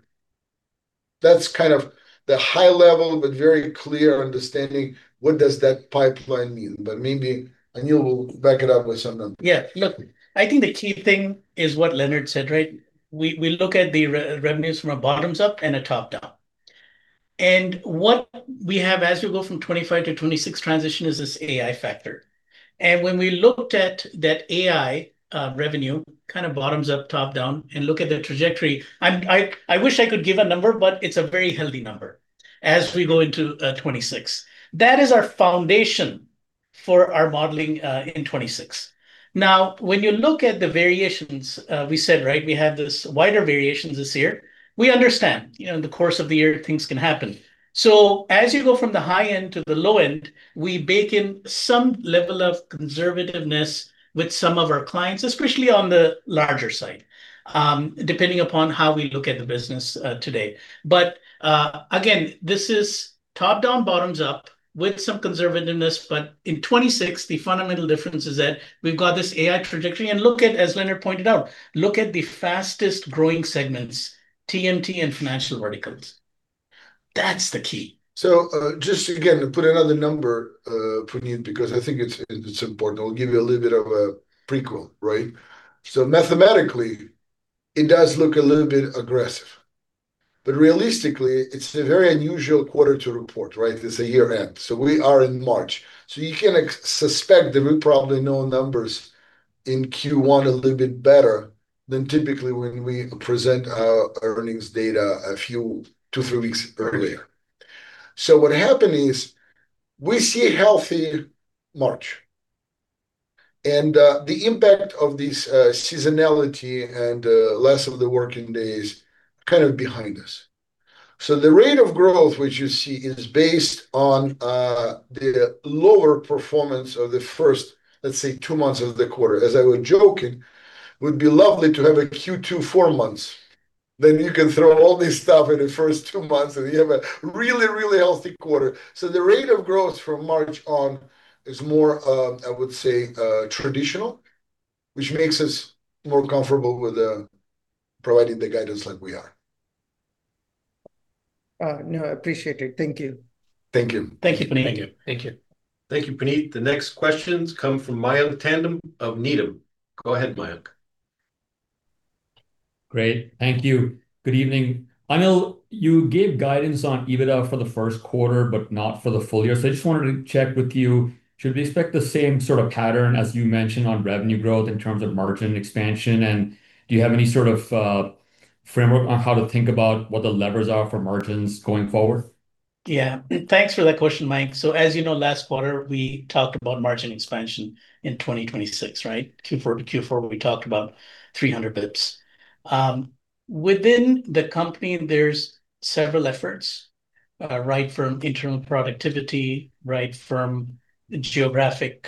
That's kind of the high level but very clear understanding what does that pipeline mean. Maybe Anil will back it up with some numbers. Yeah, look, I think the key thing is what Leonard said, right? We look at the revenues from a bottoms-up and a top-down. What we have as we go from 2025-2026 transition is this AI factor. When we looked at that AI revenue, kind of bottoms-up, top-down, and look at the trajectory, I wish I could give a number, but it's a very healthy number as we go into 2026. That is our foundation for our modeling in 2026. Now, when you look at the variations, we said, right, we have this wider variations this year. We understand, you know, in the course of the year things can happen. As you go from the high end to the low end, we bake in some level of conservativeness with some of our clients, especially on the larger side, depending upon how we look at the business, today. Again, this is top-down, bottoms-up with some conservativeness. In 2026, the fundamental difference is that we've got this AI trajectory, and look at, as Leonard pointed out, look at the fastest-growing segments, TMT and financial verticals. That's the key. Just again, to put another number, Puneet, because I think it's important. I'll give you a little bit of a prequel, right? Mathematically, it does look a little bit aggressive, but realistically, it's a very unusual quarter to report, right? It's a year-end. We are in March, so you can suspect that we probably know numbers in Q1 a little bit better than typically when we present our earnings data a few, two, three weeks earlier. What happened is we see a healthy March, and the impact of this seasonality and less of the working days kind of behind us. The rate of growth which you see is based on the lower performance of the first, let's say, two months of the quarter. As I was joking, would be lovely to have a Q2 four months. You can throw all this stuff in the first two months, and you have a really, really healthy quarter. The rate of growth from March on is more, I would say, traditional, which makes us more comfortable with providing the guidance like we are. No, I appreciate it. Thank you. Thank you. Thank you, Puneet. Thank you. Thank you. Thank you, Puneet. The next questions come from Mayank Tandon of Needham. Go ahead, Mayank. Great. Thank you. Good evening. Anil, you gave guidance on EBITDA for the first quarter, but not for the full year. I just wanted to check with you, should we expect the same sort of pattern as you mentioned on revenue growth in terms of margin expansion? Do you have any sort of framework on how to think about what the levers are for margins going forward? Thanks for that question, Mayank. As you know, last quarter, we talked about margin expansion in 2026, right? Q4 to Q4, we talked about 300 basis points. Within the company, there's several efforts, right from internal productivity, right from geographic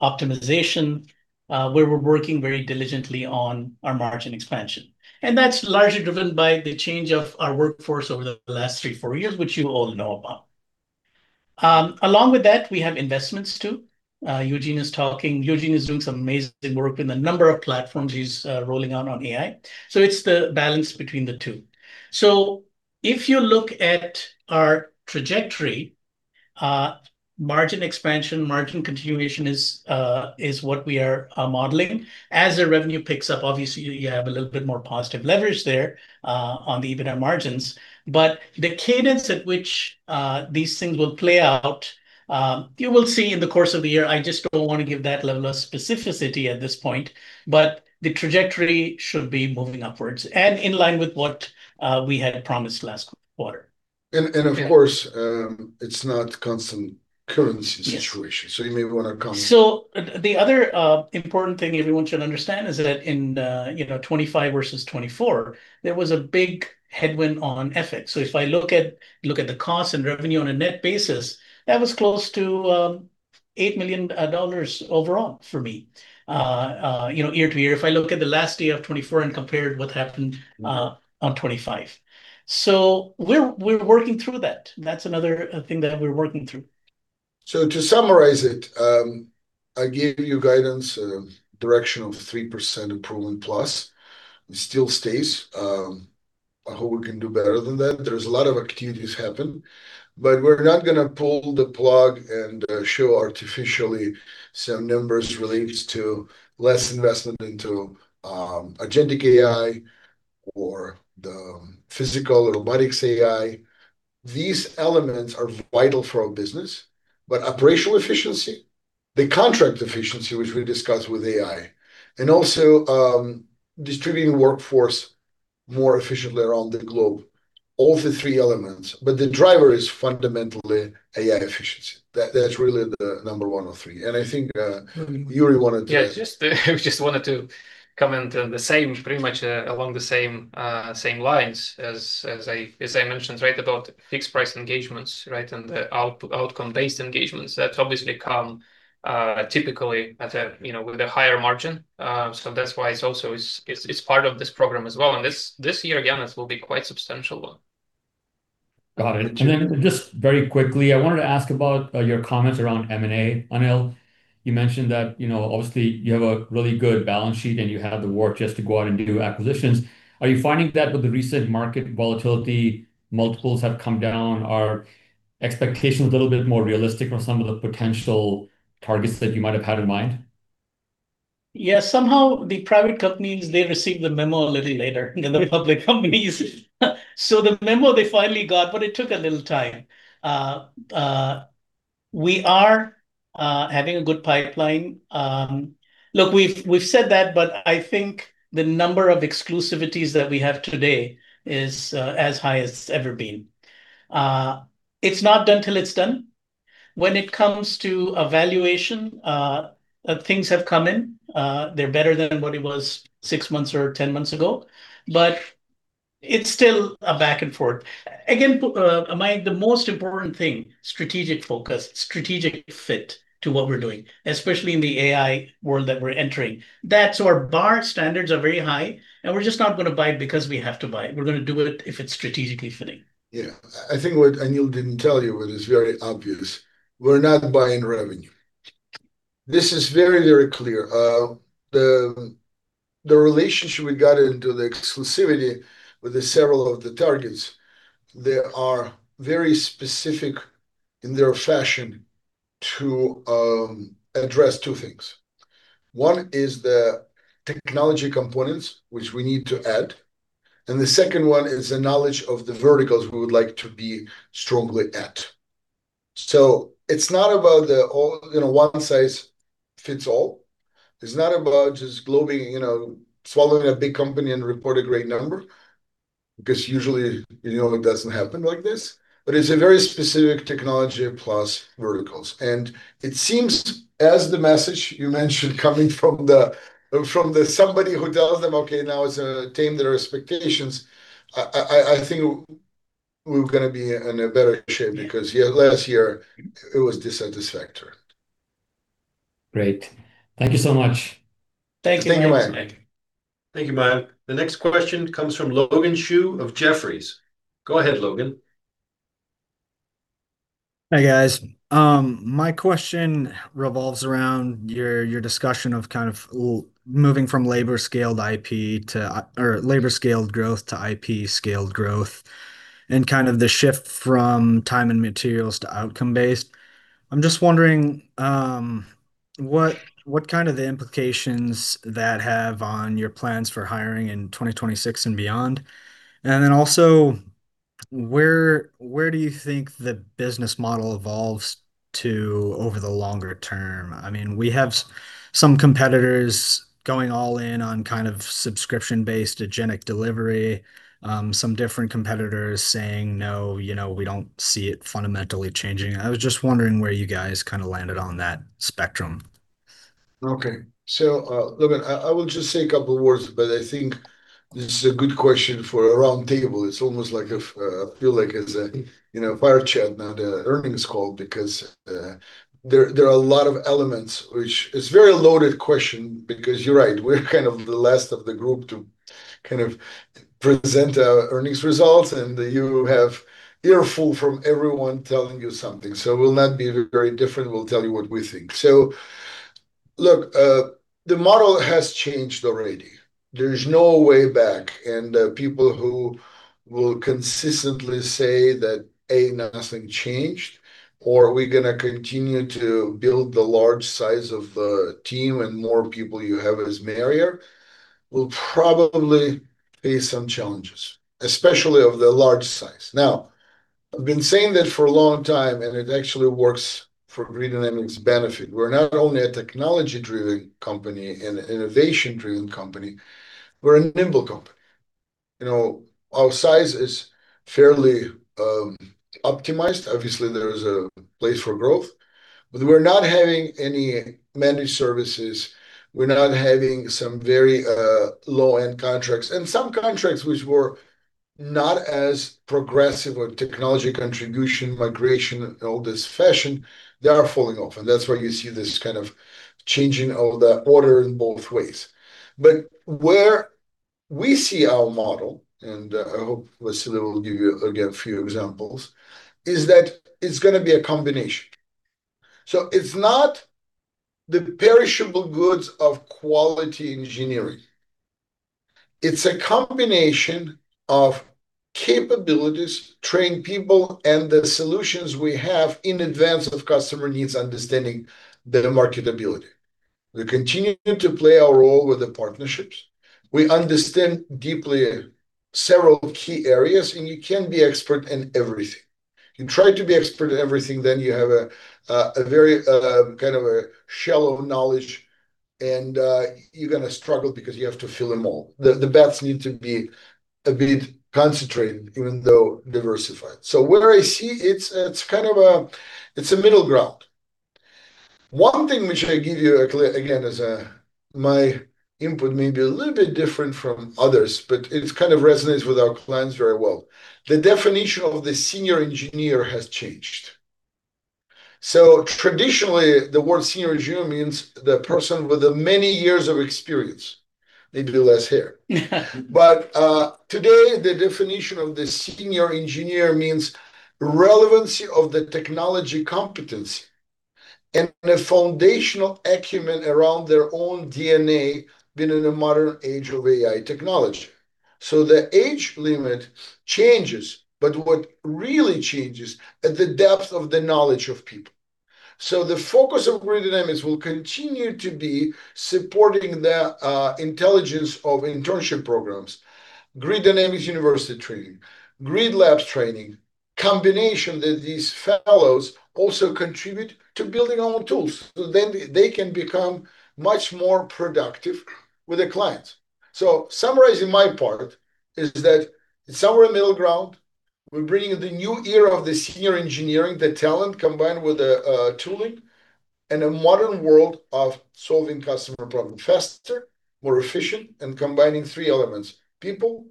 optimization, where we're working very diligently on our margin expansion. That's largely driven by the change of our workforce over the last three, four years, which you all know about. Along with that, we have investments too. Eugene is doing some amazing work in the number of platforms he's rolling out on AI. It's the balance between the two. If you look at our trajectory, margin expansion, margin continuation is what we are modeling. As the revenue picks up, obviously you have a little bit more positive leverage there, on the EBITDA margins. The cadence at which these things will play out, you will see in the course of the year. I just don't want to give that level of specificity at this point. The trajectory should be moving upwards and in line with what we had promised last quarter. And, and of course it's not constant currency situation. Yes. You may wanna comment. The other important thing everyone should understand is that in, you know, 2025 versus 2024, there was a big headwind on FX. If I look at the cost and revenue on a net basis, that was close to $8 million overall for me, you know, year to year. If I look at the last day of 2024 and compared what happened on 2025. We're working through that. That's another thing that we're working through. To summarize it, I gave you guidance, direction of 3% improvement plus. It still stays. I hope we can do better than that. There's a lot of activities happen, but we're not gonna pull the plug and show artificially some numbers relates to less investment into agentic AI or the physical robotics AI. These elements are vital for our business. Operational efficiency, the contract efficiency, which we discussed with AI, and also, distributing workforce more efficiently around the globe, all the three elements. The driver is fundamentally AI efficiency. That's really the number one of three. I think, Yury wanted to. Yeah. Just wanted to comment the same, pretty much, along the same lines as I mentioned, right, about fixed price engagements, and the outcome based engagements that obviously come, typically at a, you know, with a higher margin. That's why it's also is, it's part of this program as well. This year, again, this will be quite substantial one. Got it. Just very quickly, I wanted to ask about your comments around M&A, Anil. You mentioned that, you know, obviously you have a really good balance sheet, and you have the war chest to go out and do acquisitions. Are you finding that with the recent market volatility, multiples have come down? Are expectations a little bit more realistic on some of the potential targets that you might have had in mind? Yeah. Somehow the private companies, they received the memo a little later than the public companies. The memo they finally got, but it took a little time. We are having a good pipeline. Look, we've said that, but I think the number of exclusivities that we have today is as high as it's ever been. It's not done till it's done. When it comes to a valuation, things have come in, they're better than what it was six months or 10 months ago, but it's still a back and forth. Again, my the most important thing, strategic focus, strategic fit to what we're doing, especially in the AI world that we're entering. That's our bar. Standards are very high, and we're just not gonna buy it because we have to buy it. We're gonna do it if it's strategically fitting. I think what Anil didn't tell you but is very obvious, we're not buying revenue. This is very, very clear. The relationship we got into the exclusivity with the several of the targets, they are very specific in their fashion to address two things. One is the technology components which we need to add, and the second one is the knowledge of the verticals we would like to be strongly at. It's not about the all, you know, one size fits all. It's not about just globbing, you know, swallowing a big company and report a great number, because usually, you know, it doesn't happen like this. It's a very specific technology plus verticals. It seems, as the message you mentioned coming from the, from the somebody who tells them, "Okay, now let's tame their expectations," I think we're gonna be in a better shape, because yeah, last year it was dissatisfactory. Great. Thank you so much. Thank you, Mayank. Thank you, Mayank. Thank you, Mayank. The next question comes from Surinder Thind of Jefferies. Go ahead, Logan. Hi, guys. My question revolves around your discussion of moving from labor-scaled IP to, or labor-scaled growth to IP-scaled growth, and kind of the shift from time and materials to outcome-based. I'm just wondering, what kind of the implications that have on your plans for hiring in 2026 and beyond. Where do you think the business model evolves to over the longer term? I mean, we have some competitors going all in on kind of subscription-based agentic delivery, some different competitors saying, "No, you know, we don't see it fundamentally changing." I was just wondering where you guys kind of landed on that spectrum. Okay. Look, I will just say a couple words, but I think this is a good question for a round table. It's almost like a I feel like it's a, you know, a fire chat, not a earnings call because there are a lot of elements which. It's a very loaded question because you're right, we're kind of the last of the group to kind of present our earnings results, and you have an earful from everyone telling you something. We'll not be very different, we'll tell you what we think. Look, the model has changed already. There is no way back. People who will consistently say that, A, nothing changed, or we're gonna continue to build the large size of the team and more people you have is merrier, will probably face some challenges, especially of the large size. Now, I've been saying that for a long time, and it actually works for Grid Dynamics' benefit. We're not only a technology-driven company and an innovation-driven company, we're a nimble company. You know, our size is fairly optimized. Obviously, there is a place for growth, but we're not having any managed services, we're not having some very low-end contracts. Some contracts which were not as progressive or technology contribution, migration in all this fashion, they are falling off, and that's why you see this kind of changing of the order in both ways. Where we see our model, and, I hope Vasily will give you again a few examples, is that it's gonna be a combination. It's not the perishable goods of quality engineering, it's a combination of capabilities, trained people, and the solutions we have in advance of customer needs understanding data marketability. We continue to play our role with the partnerships. We understand deeply several key areas, and you can't be expert in everything. You try to be expert in everything, then you have a very kind of a shallow knowledge and you're gonna struggle because you have to fill them all. The bets need to be a bit concentrated even though diversified. Where I see, it's kind of a middle ground. One thing which I give you again, as my input may be a little bit different from others, but it kind of resonates with our clients very well. The definition of the senior engineer has changed. Traditionally, the word senior engineer means the person with the many years of experience, maybe less hair. Today, the definition of the senior engineer means relevancy of the technology competency and a foundational acumen around their own DNA within the modern age of AI technology. The age limit changes, but what really changes at the depth of the knowledge of people. The focus of Grid Dynamics will continue to be supporting the intelligence of internship programs, Grid University training, Grid Dynamics R&D Labs training, combination that these fellows also contribute to building our own tools, then they can become much more productive with the clients. Summarizing my part is that somewhere in middle ground, we're bringing the new era of the senior engineering, the talent combined with the tooling, and a modern world of solving customer problems faster, more efficient, and combining three elements: people,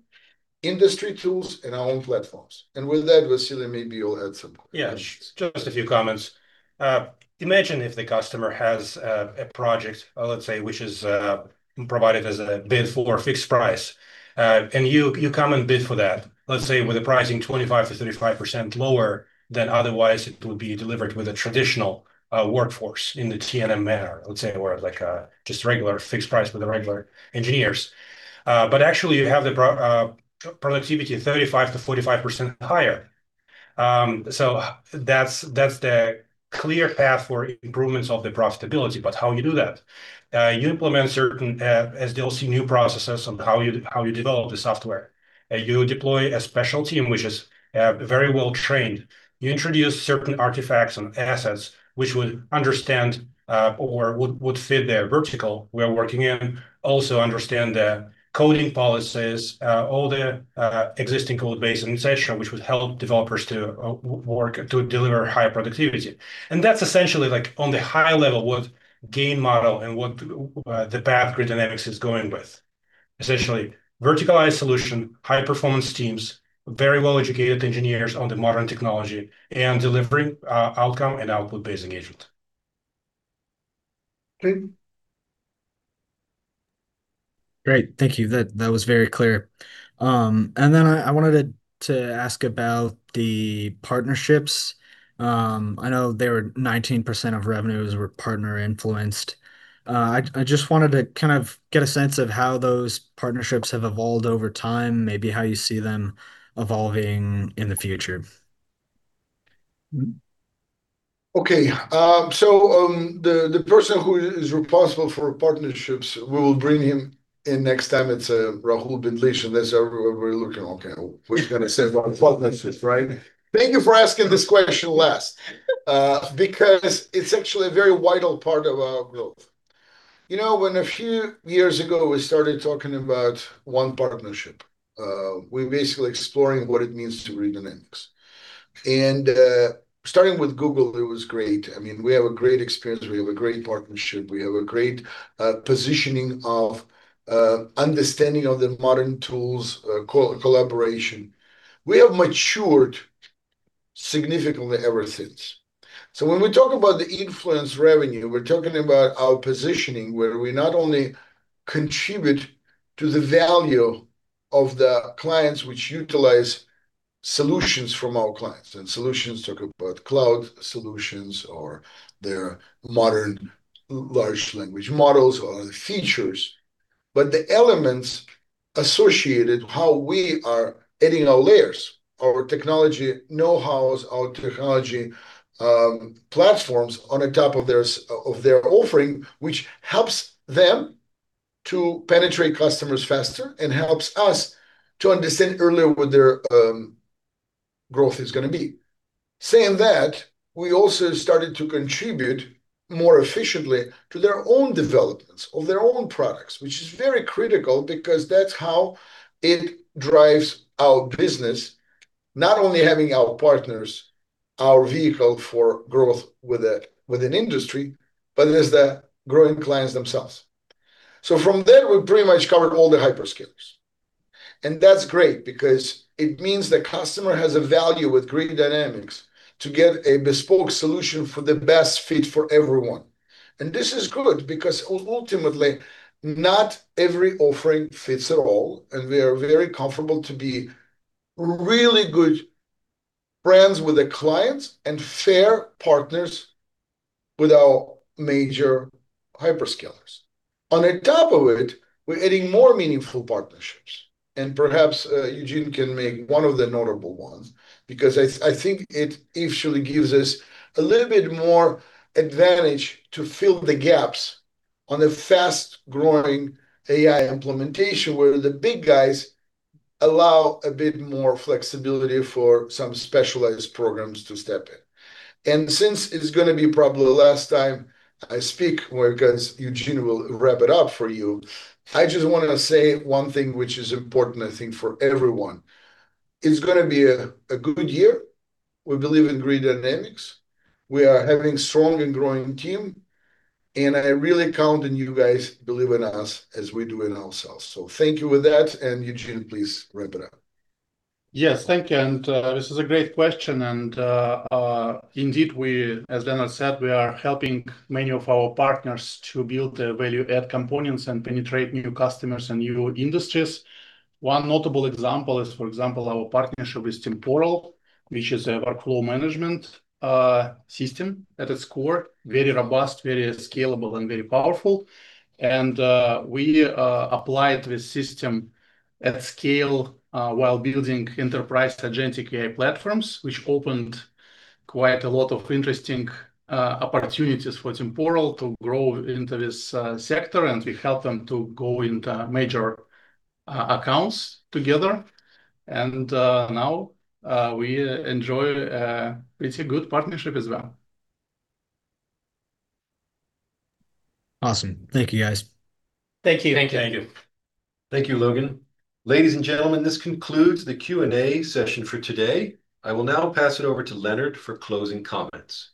industry tools, and our own platforms. With that, Vasily, maybe you'll add some comments. Yeah. Just a few comments. Imagine if the customer has a project, let's say, which is provided as a bid for a fixed price. You, you come and bid for that, let's say, with the pricing 25%-35% lower than otherwise it would be delivered with a traditional workforce in the T&M manner, let's say, where like just a regular fixed price with the regular engineers. Actually you have the productivity 35%-45% higher. So that's the clear path for improvements of the profitability. How you do that? You implement certain SDLC new processes on how you, how you develop the software. You deploy a special team which is very well trained. You introduce certain artifacts and assets which would understand, or would fit their vertical we're working in, also understand the coding policies, all the existing code base and et cetera, which would help developers to work, to deliver high productivity. That's essentially, like on the high level, what GAIN model and what the path Grid Dynamics is going with. Essentially verticalized solution, high performance teams, very well-educated engineers on the modern technology, and delivering outcome and output-based engagement. Great. Thank you. That was very clear. I wanted to ask about the partnerships. I know they were 19% of revenues were partner influenced. I just wanted to kind of get a sense of how those partnerships have evolved over time, maybe how you see them evolving in the future. Okay. The person who is responsible for partnerships, we will bring him in next time. It's Rahul Bindlish, and that's everybody looking, okay, what you gonna say about partnerships, right? Thank you for asking this question last, because it's actually a very vital part of our growth. You know, when a few years ago we started talking about one partnership, we basically exploring what it means to Grid Dynamics. Starting with Google, it was great. I mean, we have a great experience. We have a great partnership. We have a great positioning of understanding of the modern tools, collaboration. We have matured significantly ever since. When we talk about the influence revenue, we're talking about our positioning, where we not only contribute to the value of the clients which utilize solutions from our clients, and solutions talk about cloud solutions or their modern large language models or the features. The elements associated how we are adding our layers, our technology know-hows, our technology platforms on top of their offering, which helps them to penetrate customers faster and helps us to understand earlier what their growth is gonna be. Saying that, we also started to contribute more efficiently to their own developments of their own products, which is very critical because that's how it drives our business, not only having our partners, our vehicle for growth with a, with an industry, but it is the growing clients themselves. From there, we pretty much covered all the hyperscalers. That's great because it means the customer has a value with Grid Dynamics to get a bespoke solution for the best fit for everyone. This is good because ultimately not every offering fits at all, and we are very comfortable to be really good friends with the clients and fair partners with our major hyperscalers. On top of it, we're adding more meaningful partnerships, and perhaps Eugene can make one of the notable ones because I think it actually gives us a little bit more advantage to fill the gaps on the fast-growing AI implementation, where the big guys allow a bit more flexibility for some specialized programs to step in. Since it is gonna be probably the last time I speak, where 'cause Eugene will wrap it up for you, I just wanna say one thing which is important, I think, for everyone. It's gonna be a good year. We believe in Grid Dynamics. We are having strong and growing team. I really count on you guys believe in us as we do in ourselves. Thank you with that. Eugene, please wrap it up. Yes. Thank you. This is a great question, indeed, we, as Leonard said, we are helping many of our partners to build their value add components and penetrate new customers and new industries. One notable example is, for example, our partnership with Temporal, which is a workflow management system at its core, very robust, very scalable, and very powerful. We applied this system at scale while building enterprise agentic AI platforms, which opened quite a lot of interesting opportunities for Temporal to grow into this sector, and we helped them to go into major accounts together. Now, we enjoy pretty good partnership as well. Awesome. Thank you, guys. Thank you. Thank you. Thank you. Thank you, Logan. Ladies and gentlemen, this concludes the Q&A session for today. I will now pass it over to Leonard for closing comments.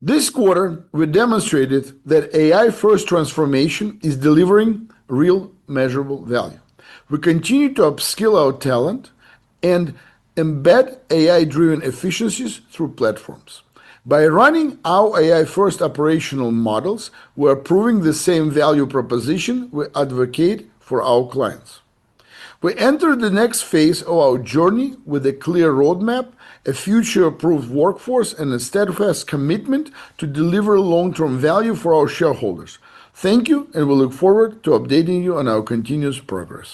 This quarter, we demonstrated that AI-first transformation is delivering real measurable value. We continue to upskill our talent and embed AI-driven efficiencies through platforms. By running our AI-first operational models, we're proving the same value proposition we advocate for our clients. We enter the next phase of our journey with a clear roadmap, a future-approved workforce, and a steadfast commitment to deliver long-term value for our shareholders. Thank you. We look forward to updating you on our continuous progress.